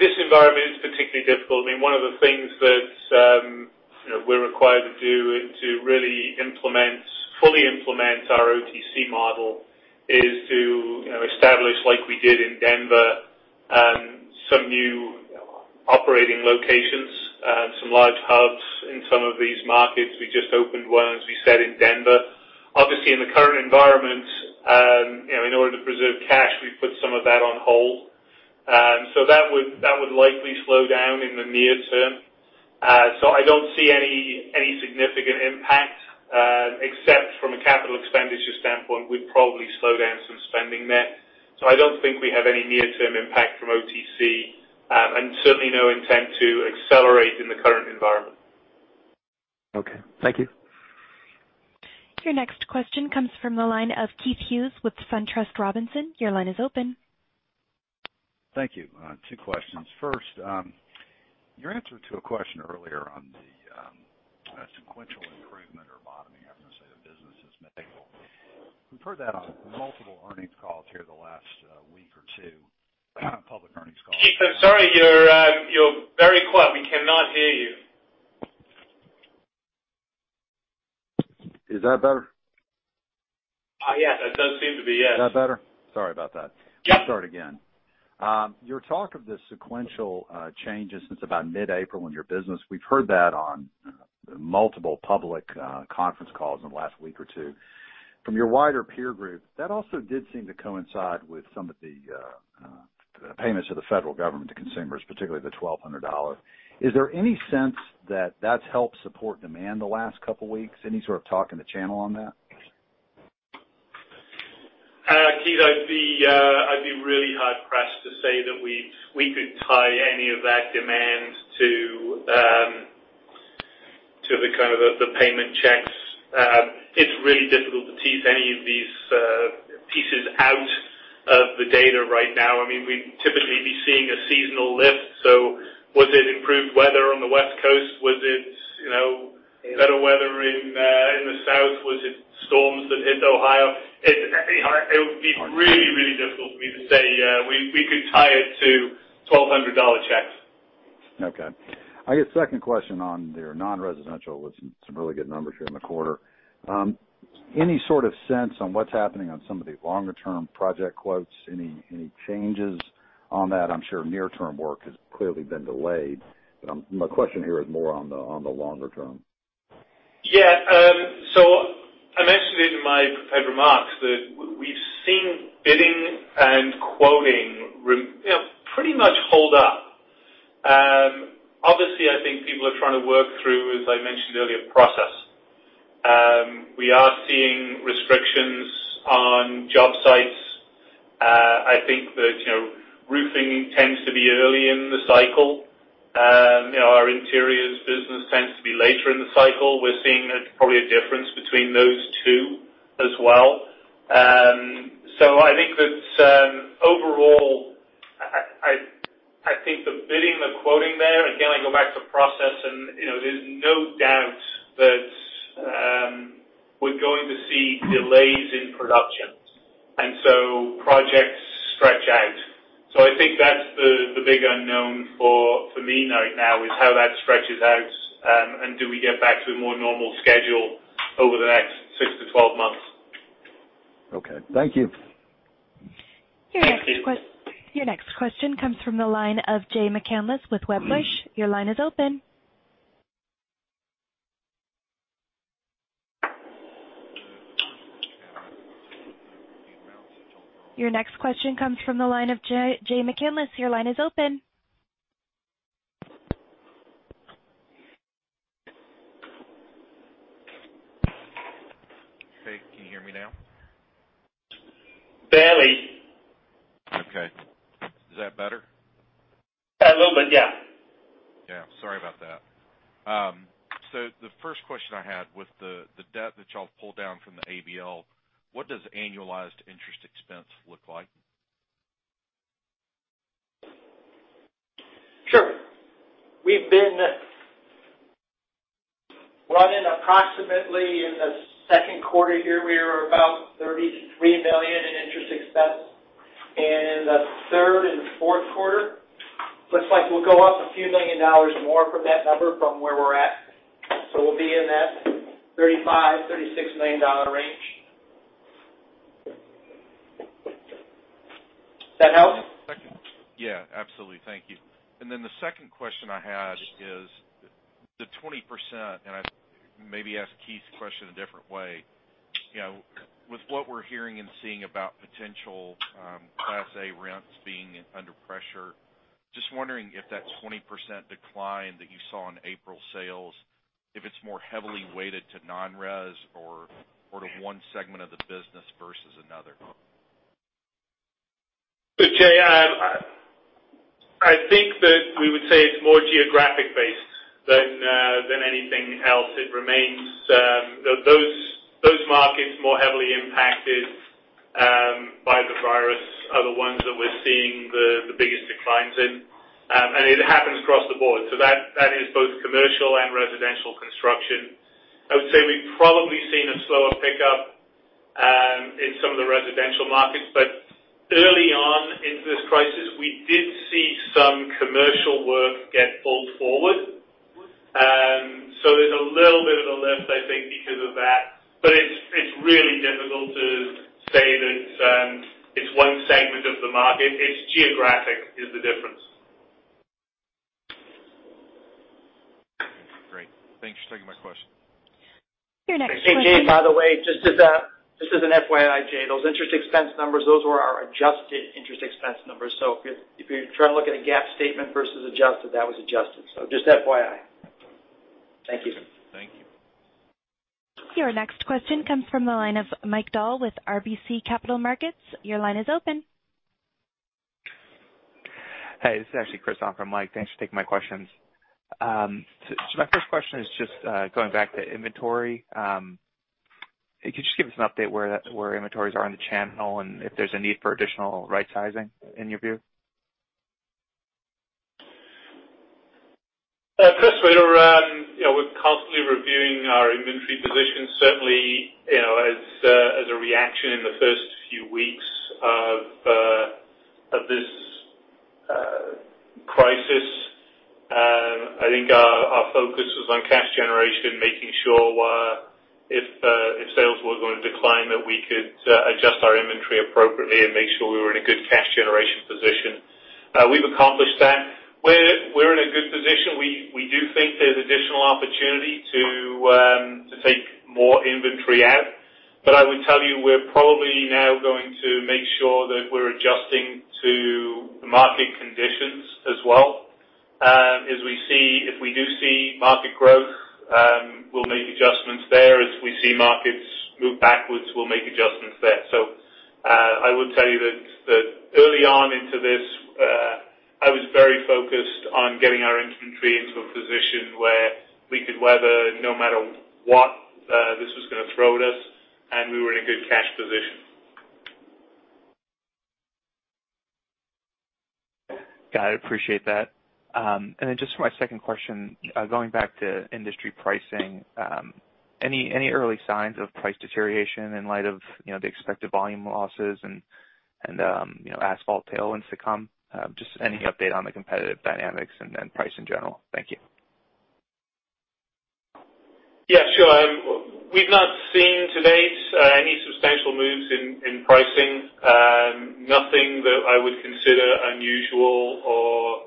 this environment is particularly difficult. One of the things that we're required to do to really fully implement our OTC model is to establish, like we did in Denver, some new operating locations, some large hubs in some of these markets. We just opened one, as we said, in Denver. Obviously, in the current environment, in order to preserve cash, we've put some of that on hold. That would likely slow down in the near term. I don't see any significant impact except from a capital expenditure standpoint. We'd probably slow down some spending there. I don't think we have any near-term impact from OTC, and certainly no intent to accelerate in the current environment. Okay. Thank you. Your next question comes from the line of Keith Hughes with SunTrust Robinson Humphrey. Your line is open. Thank you. Two questions. First, your answer to a question earlier on the sequential improvement or bottoming, I'm going to say, of business this May. We've heard that on multiple earnings calls here the last week or two, public earnings calls. Keith, I'm sorry, you're very quiet. We cannot hear you. Is that better? Yes, that does seem to be, yes. Is that better? Sorry about that. Yes. Your talk of the sequential changes since about mid-April in your business, we've heard that on multiple public conference calls in the last week or two. From your wider peer group, that also did seem to coincide with some of the payments of the federal government to consumers, particularly the $1,200. Is there any sense that that's helped support demand the last couple of weeks? Any sort of talk in the channel on that? Keith, I'd be really hard-pressed to say that we could tie any of that demand to the kind of the payment checks. It's really difficult to tease any of these pieces out of the data right now. We'd typically be seeing a seasonal lift. Was it improved weather on the West Coast? Was it better weather in the South? Was it storms that hit Ohio? It would be really difficult for me to say we could tie it to $1,200 checks. Okay. I guess second question on their non-residential with some really good numbers here in the quarter. Any sort of sense on what's happening on some of the longer-term project quotes? Any changes on that? I'm sure near-term work has clearly been delayed. My question here is more on the longer term. Yeah. I mentioned it in my prepared remarks that we've seen bidding and quoting pretty much hold up. Obviously, I think people are trying to work through, as I mentioned earlier, process. We are seeing restrictions on job sites. I think that roofing tends to be early in the cycle. Our interiors business tends to be later in the cycle. We're seeing probably a difference between those two as well. I think that overall, I think the bidding, the quoting there, again, I go back to process and there's no doubt that we're going to see delays in production. Projects stretch out. I think that's the big unknown for me right now is how that stretches out. Do we get back to a more normal schedule over the next 6 to 12 months? Okay. Thank you. Your next question comes from the line of Jay McCanless with Wedbush. Your line is open. Hey, can you hear me now? Barely. Okay. Is that better? A little bit, yeah. Yeah. Sorry about that. The first question I had with the debt that y'all pulled down from the ABL, what does annualized interest expense look like? Sure. We've been running approximately in the second quarter here, we were about $33 million in interest expense. In the third and fourth quarter, looks like we'll go up a few million dollars more from that number from where we're at. We'll be in that $35 million-$36 million range. That help? Yeah, absolutely. Thank you. The second question I had is the 20%, I maybe ask Keith's question a different way. With what we're hearing and seeing about potential Class A rents being under pressure, just wondering if that 20% decline that you saw in April sales, if it's more heavily weighted to non-res or one segment of the business versus another. Look, Jay, I think that we would say it's more geographic based than anything else. It remains those markets more heavily impacted by the virus are the ones that we're seeing the biggest declines in. It happens across the board. That is both commercial and residential construction. I would say we've probably seen a slower pickup in some of the residential markets, but early on into this crisis, we did see some commercial work get pulled forward. There's a little bit of a lift, I think, because of that. It's really difficult to say that it's one segment of the market. It's geographic is the difference. Great. Thanks for taking my question. Your next question. Hey, Jay, by the way, just as an FYI, Jay, those interest expense numbers, those were our adjusted interest expense numbers. If you're trying to look at a GAAP statement versus adjusted, that was adjusted. Just FYI. Thank you. Thank you. Your next question comes from the line of Mike Dahl with RBC Capital Markets. Your line is open. Hey, this is actually Chris on from Mike. Thanks for taking my questions. My first question is just going back to inventory. Could you just give us an update where inventories are in the channel and if there's a need for additional right-sizing in your view? Chris, we're constantly reviewing our inventory position. Certainly, as a reaction in the first few weeks of this crisis, I think our focus was on cash generation, making sure if sales were going to decline, that we could adjust our inventory appropriately and make sure we were in a good cash generation position. We've accomplished that. We're in a good position. We do think there's additional opportunity to take more inventory out. I would tell you, we're probably now going to make sure that we're adjusting to the market conditions as well. If we do see market growth, we'll make adjustments there. As we see markets move backwards, we'll make adjustments there. I would tell you that early on into this I was very focused on getting our inventory into a position where we could weather no matter what this was going to throw at us, and we were in a good cash position. Got it. Appreciate that. Just for my second question, going back to industry pricing, any early signs of price deterioration in light of the expected volume losses and asphalt tailwinds to come? Just any update on the competitive dynamics and price in general. Thank you. Yeah, sure. We've not seen to date any substantial moves in pricing. Nothing that I would consider unusual or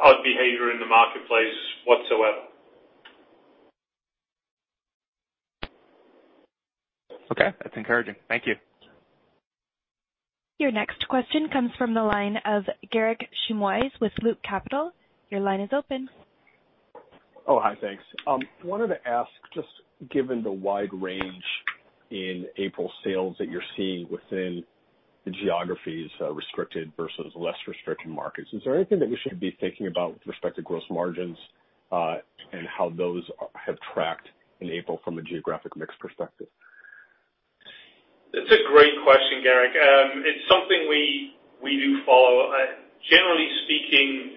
odd behavior in the marketplace whatsoever. Okay, that's encouraging. Thank you. Your next question comes from the line of Garik Shmois with Loop Capital. Your line is open. Oh, hi. Thanks. I wanted to ask, just given the wide range in April sales that you're seeing within the geographies, restricted versus less restricted markets, is there anything that we should be thinking about with respect to gross margins, and how those have tracked in April from a geographic mix perspective? That's a great question, Garik. It's something we do follow. Generally speaking,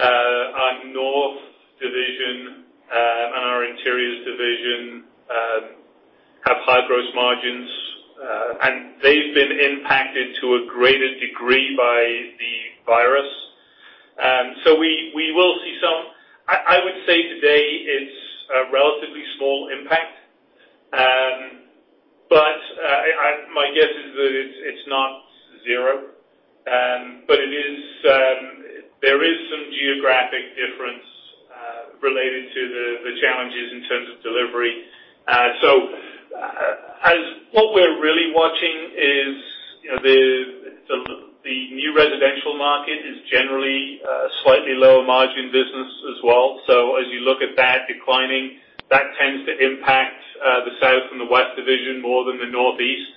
our north division and our interiors division have high gross margins. They've been impacted to a greater degree by the virus. We will see some. I would say today it's a relatively small impact. My guess is that it's not zero. There is some geographic difference related to the challenges in terms of delivery. What we're really watching is the new residential market is generally a slightly lower margin business as well. As you look at that declining, that tends to impact the south and the west division more than the northeast.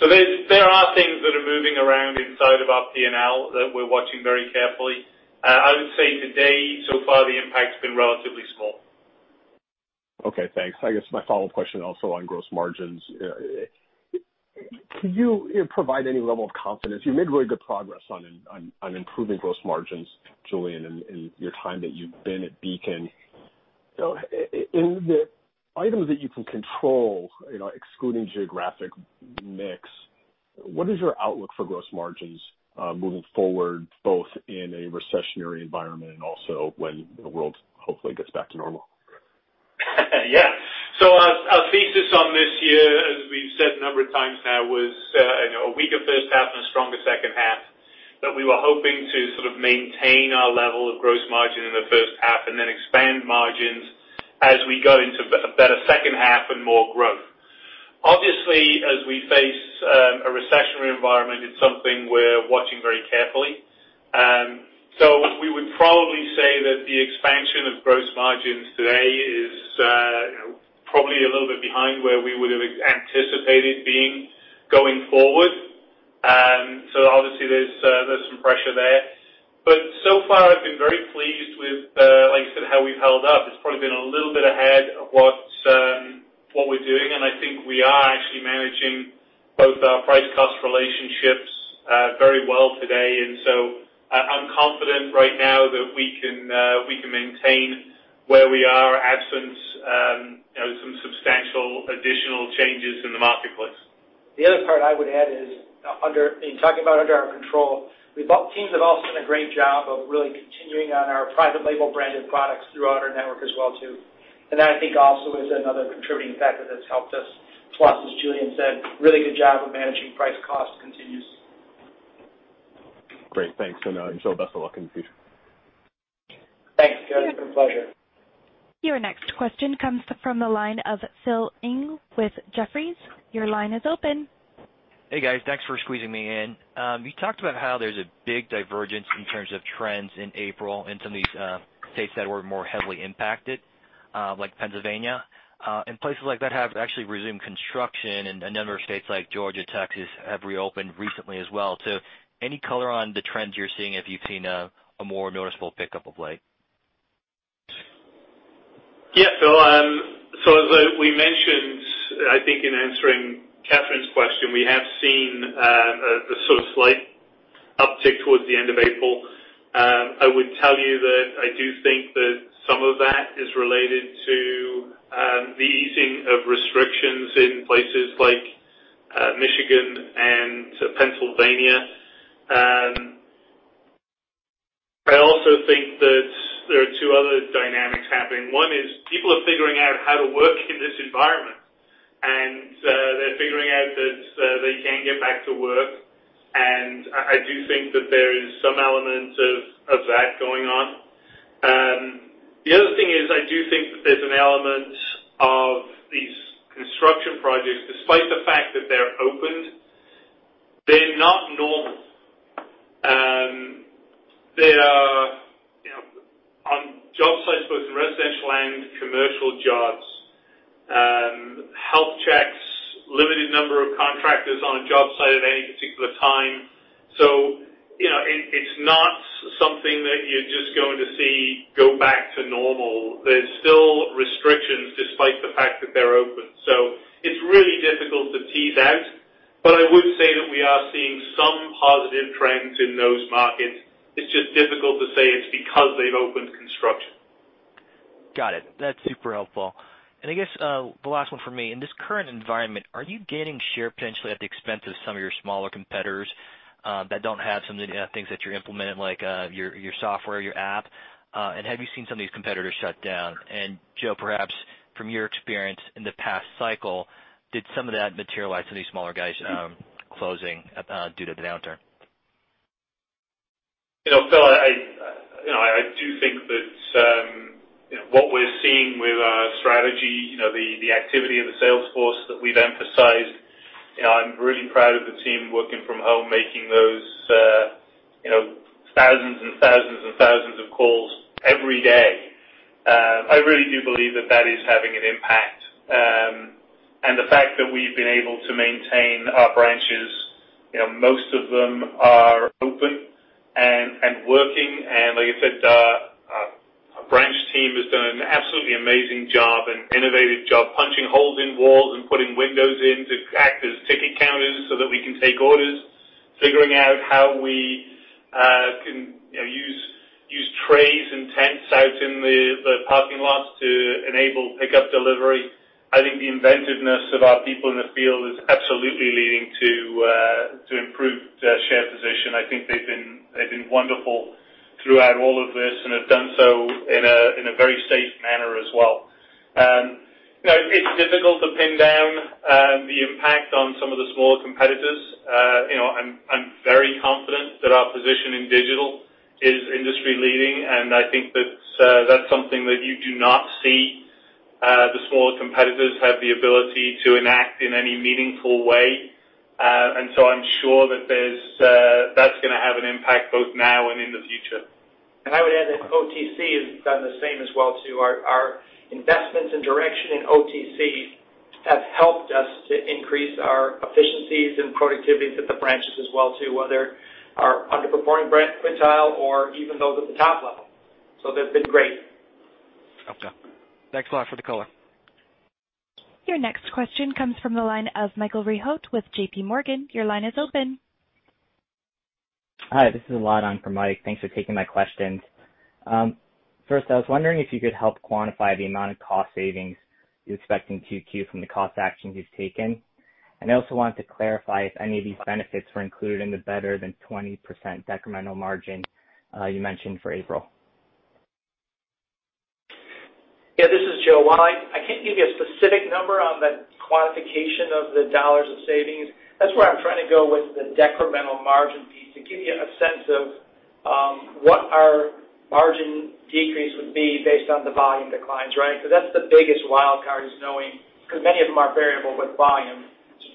There are things that are moving around inside of our P&L that we're watching very carefully. I would say today, so far the impact's been relatively small. Okay, thanks. I guess my follow-up question also on gross margins. Could you provide any level of confidence? You made really good progress on improving gross margins, Julian, in your time that you've been at Beacon. In the items that you can control, excluding geographic mix, what is your outlook for gross margins moving forward, both in a recessionary environment and also when the world hopefully gets back to normal? Yeah. Our thesis on this year, as we've said a number of times now, was a weaker first half and a stronger second half, that we were hoping to sort of maintain our level of gross margin in the first half and then expand margins as we go into a better second half and more growth. Obviously, as we face a recessionary environment, it's something we're watching very carefully. We would probably say that the expansion of gross margins today is probably a little bit behind where we would've anticipated being going forward. Obviously there's some pressure there. So far, I've been very pleased with like I said, how we've held up. It's probably been a little bit ahead of what we're doing, and I think we are actually managing both our price-cost relationships very well today. I'm confident right now that we can maintain where we are, absent some substantial additional changes in the marketplace. The other part I would add is in talking about under our control, teams have also done a great job of really continuing on our private label branded products throughout our network as well too. That I think also is another contributing factor that's helped us. As Julian said, really good job of managing price-cost continues. Great. Thanks. I wish you all the best of luck in the future. Thanks, Garik. It's been a pleasure. Your next question comes from the line of Phil Ng with Jefferies. Your line is open. Hey, guys. Thanks for squeezing me in. You talked about how there's a big divergence in terms of trends in April in some of these states that were more heavily impacted, like Pennsylvania. Places like that have actually resumed construction, and a number of states like Georgia, Texas, have reopened recently as well. Any color on the trends you're seeing if you've seen a more noticeable pickup of late? Yeah. Phil, as we mentioned, I think in answering Kathryn's question, we have seen a sort of slight uptick towards the end of April. I would tell you that I do think that some of that is related to the easing of restrictions in places like Michigan and Pennsylvania. I also think that there are two other dynamics happening. One is people are figuring out how to work in this environment. They're figuring out that they can get back to work. I do think that there is some element of that going on. The other thing is, I do think that there's an element of these construction projects, despite the fact that they're opened, they're not normal. They are commercial jobs, health checks, limited number of contractors on a job site at any particular time. It's not something that you're just going to see go back to normal. There's still restrictions despite the fact that they're open. It's really difficult to tease out. I would say that we are seeing some positive trends in those markets. It's just difficult to say it's because they've opened construction. Got it. That's super helpful. I guess, the last one from me, in this current environment, are you gaining share potentially at the expense of some of your smaller competitors that don't have some of the things that you're implementing, like your software, your app? Have you seen some of these competitors shut down? Joe, perhaps from your experience in the past cycle, did some of that materialize, some of these smaller guys closing due to the downturn? Phil, I do think that what we're seeing with our strategy, the activity of the sales force that we've emphasized, I'm really proud of the team working from home, making those thousands and thousands and thousands of calls every day. I really do believe that that is having an impact. The fact that we've been able to maintain our branches, most of them are open and working. Like I said, our branch team has done an absolutely amazing job, an innovative job, punching holes in walls and putting windows in to act as ticket counters so that we can take orders, figuring out how we can use trays and tents out in the parking lots to enable pickup delivery. I think the inventiveness of our people in the field is absolutely leading to improved share position. I think they've been wonderful throughout all of this, and have done so in a very safe manner as well. It's difficult to pin down the impact on some of the smaller competitors. I'm very confident that our position in digital is industry leading, and I think that's something that you do not see the smaller competitors have the ability to enact in any meaningful way. I'm sure that's going to have an impact both now and in the future. I would add that OTC has done the same as well, too. Our investments and direction in OTC have helped us to increase our efficiencies and productivities at the branches as well, too, whether our underperforming branch quartile or even those at the top level. They've been great. Okay. Thanks a lot for the color. Your next question comes from the line of Michael Rehaut with JP Morgan. Your line is open. Hi, this is Ladan from Mike. Thanks for taking my questions. First, I was wondering if you could help quantify the amount of cost savings you're expecting 2Q from the cost actions you've taken. I also wanted to clarify if any of these benefits were included in the better than 20% decremental margin you mentioned for April. Yeah, this is Joe. While I can't give you a specific number on the quantification of the dollars of savings, that's where I'm trying to go with the decremental margin piece, to give you a sense of what our margin decrease would be based on the volume declines, right? That's the biggest wildcard, is knowing, because many of them are variable with volume.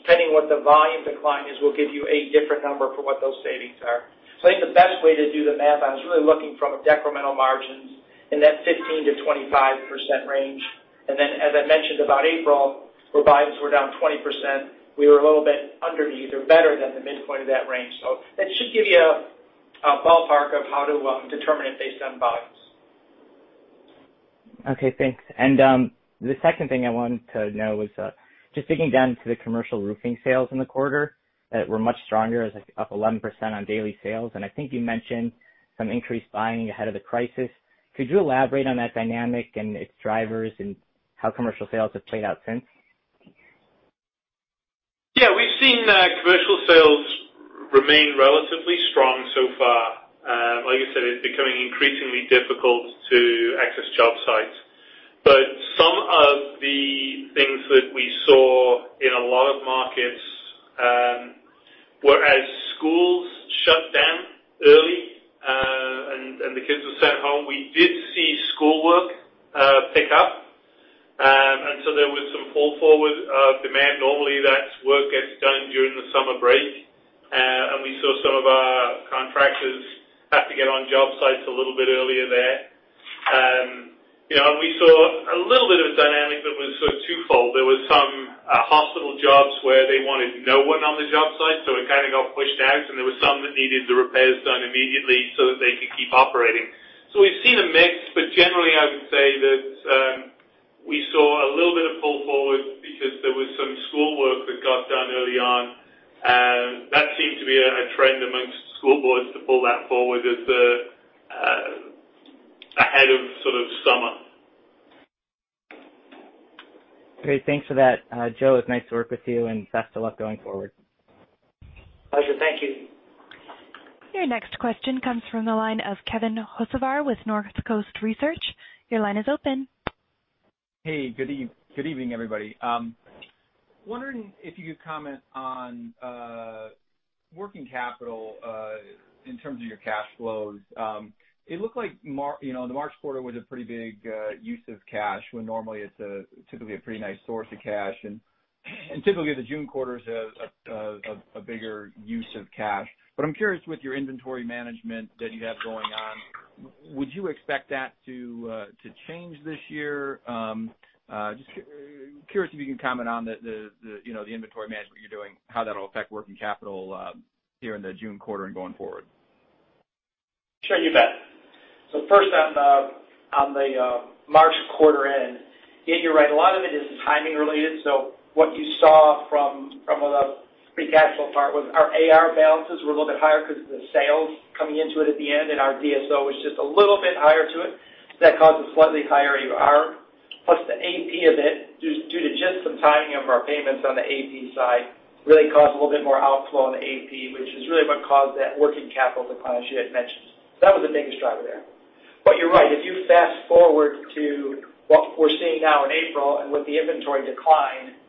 Depending what the volume decline is, will give you a different number for what those savings are. I think the best way to do the math, I was really looking from a decremental margins in that 15%-25% range. As I mentioned about April, where volumes were down 20%, we were a little bit under these, or better than the midpoint of that range. That should give you a ballpark of how to determine it based on volumes. Okay, thanks. The second thing I wanted to know was just digging down into the commercial roofing sales in the quarter that were much stronger. It was up 11% on daily sales, and I think you mentioned some increased buying ahead of the crisis. Could you elaborate on that dynamic and its drivers and how commercial sales have played out since? Yeah. We've seen commercial sales remain relatively strong so far. Like I said, it's becoming increasingly difficult to access job sites. Some of the things that we saw in a lot of markets were as schools shut down early, and the kids were sent home, we did see schoolwork pick up. There was some pull forward of demand. Normally that work gets done during the summer break. We saw some of our contractors have to get on job sites a little bit earlier there. We saw a little bit of a dynamic that was sort of twofold. There was some hospital jobs where they wanted no one on the job site, so it kind of got pushed out, and there were some that needed the repairs done immediately so that they could keep operating. We've seen a mix, but generally, I would say that we saw a little bit of pull forward because there was some schoolwork that got done early on. That seemed to be a trend amongst school boards to pull that forward ahead of sort of summer. Great. Thanks for that. Joseph, it was nice to work with you and best of luck going forward. Pleasure. Thank you. Your next question comes from the line of Kevin Hocevar with Northcoast Research. Your line is open. Hey, good evening, everybody. I'm wondering if you could comment on working capital in terms of your cash flows. It looked like the March quarter was a pretty big use of cash when normally it's typically a pretty nice source of cash. Typically, the June quarter is a bigger use of cash. I'm curious with your inventory management that you have going on, would you expect that to change this year? Just curious if you can comment on the inventory management you're doing, how that'll affect working capital here in the June quarter and going forward. Sure, you bet. First, on the March quarter end, yeah, you're right. What you saw from the free cash flow part was our AR balances were a little bit higher because of the sales coming into it at the end, and our DSO was just a little bit higher to it. That caused a slightly higher AR. Plus the AP of it, due to just some timing of our payments on the AP side, really caused a little bit more outflow on the AP, which is really what caused that working capital decline, as you had mentioned. That was the biggest driver there. You're right. If you fast-forward to what we're seeing now in April and with the inventory decline,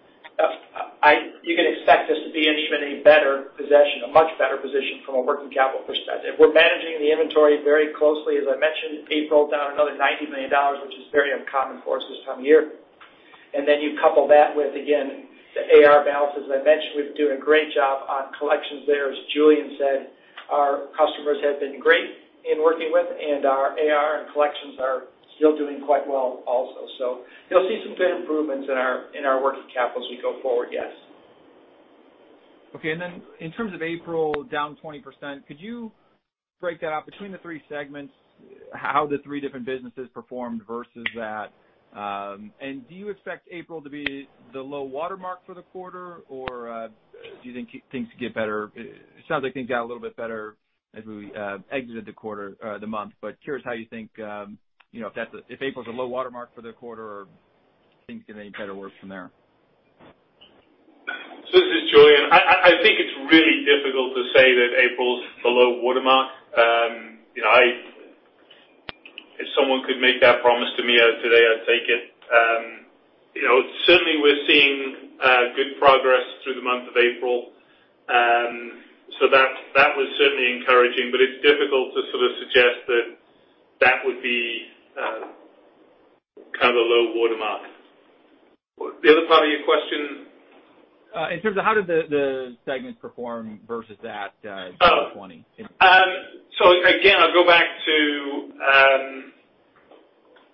you can expect us to be in a much better position from a working capital perspective. We're managing the inventory very closely. As I mentioned, in April, down another $90 million, which is very uncommon for us this time of year. You couple that with, again, the AR balances. I mentioned we're doing a great job on collections there. As Julian said, our customers have been great in working with, and our AR and collections are still doing quite well also. You'll see some good improvements in our working capital as we go forward, yes. Okay. In terms of April down 20%, could you break that out between the three segments, how the three different businesses performed versus that? Do you expect April to be the low watermark for the quarter, or do you think things get better? It sounds like things got a little bit better as we exited the month, but curious how you think if April's a low watermark for the quarter or things get any better worse from there. This is Julian. I think it's really difficult to say that April's the low watermark. If someone could make that promise to me today, I'd take it. Certainly, we're seeing good progress through the month of April. That was certainly encouraging, but it's difficult to sort of suggest that that would be kind of a low watermark. The other part of your question? In terms of how did the segments perform versus that April 20? Again, I'll go back to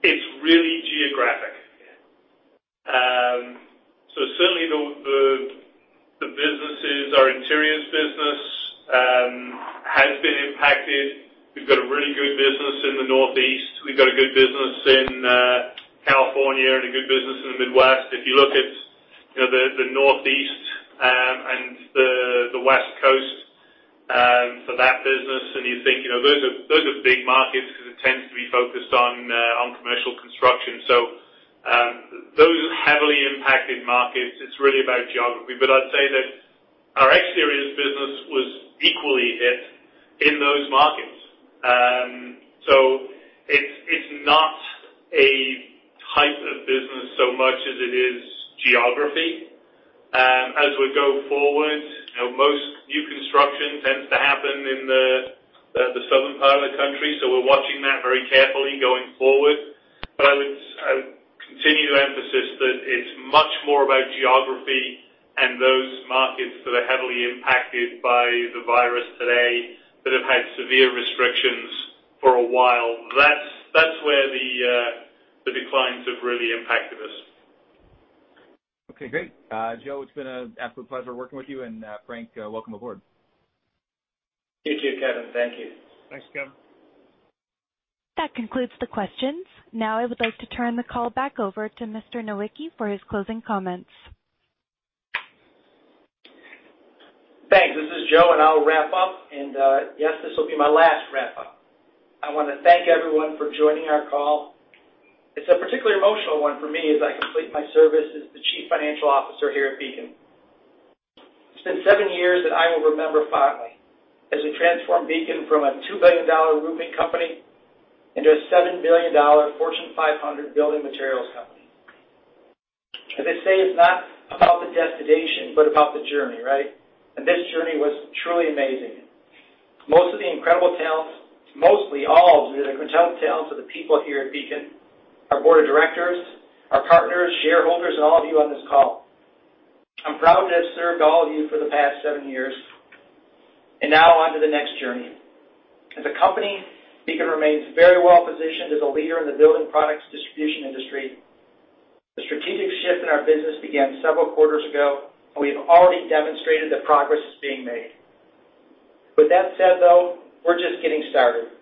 it's really geographic. Certainly, the businesses, our interiors business has been impacted. We've got a really good business in the Northeast. We've got a good business in California and a good business in the Midwest. If you look at the Northeast and the West Coast for that business, and you think those are big markets because it tends to be focused on commercial construction. Those heavily impacted markets, it's really about geography. I'd say that our exteriors business was equally hit in those markets. It's not a type of business so much as it is geography. As we go forward, most new construction tends to happen in the southern part of the country, so we're watching that very carefully going forward. I would continue to emphasize that it's much more about geography and those markets that are heavily impacted by the virus today that have had severe restrictions for a while. That's where the declines have really impacted us. Okay, great. Joe, it's been an absolute pleasure working with you, and Frank, welcome aboard. You too, Kevin. Thank you. Thanks, Kevin. That concludes the questions. Now I would like to turn the call back over to Mr. Nowicki for his closing comments. Thanks. This is Joe, I will wrap up. Yes, this will be my last wrap-up. I want to thank everyone for joining our call. It is a particularly emotional one for me as I complete my service as the Chief Financial Officer here at Beacon. It has been seven years that I will remember fondly as we transformed Beacon from a $2 billion roofing company into a $7 billion Fortune 500 building materials company. As they say, it is not about the destination, but about the journey, right? This journey was truly amazing. Mostly all of the incredible tales are the people here at Beacon, our Board of Directors, our partners, shareholders, and all of you on this call. I am proud to have served all of you for the past seven years. Now on to the next journey. As a company, Beacon remains very well-positioned as a leader in the building products distribution industry. The strategic shift in our business began several quarters ago, and we have already demonstrated that progress is being made. With that said, though, we're just getting started.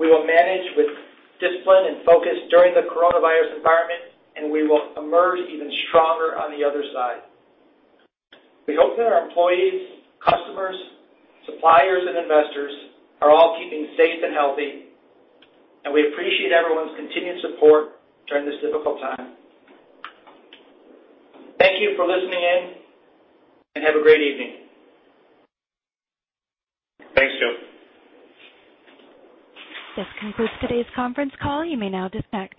We will manage with discipline and focus during the coronavirus environment, and we will emerge even stronger on the other side. We hope that our employees, customers, suppliers, and investors are all keeping safe and healthy, and we appreciate everyone's continued support during this difficult time. Thank you for listening in, and have a great evening. Thanks, Joseph. This concludes today's conference call. You may now disconnect.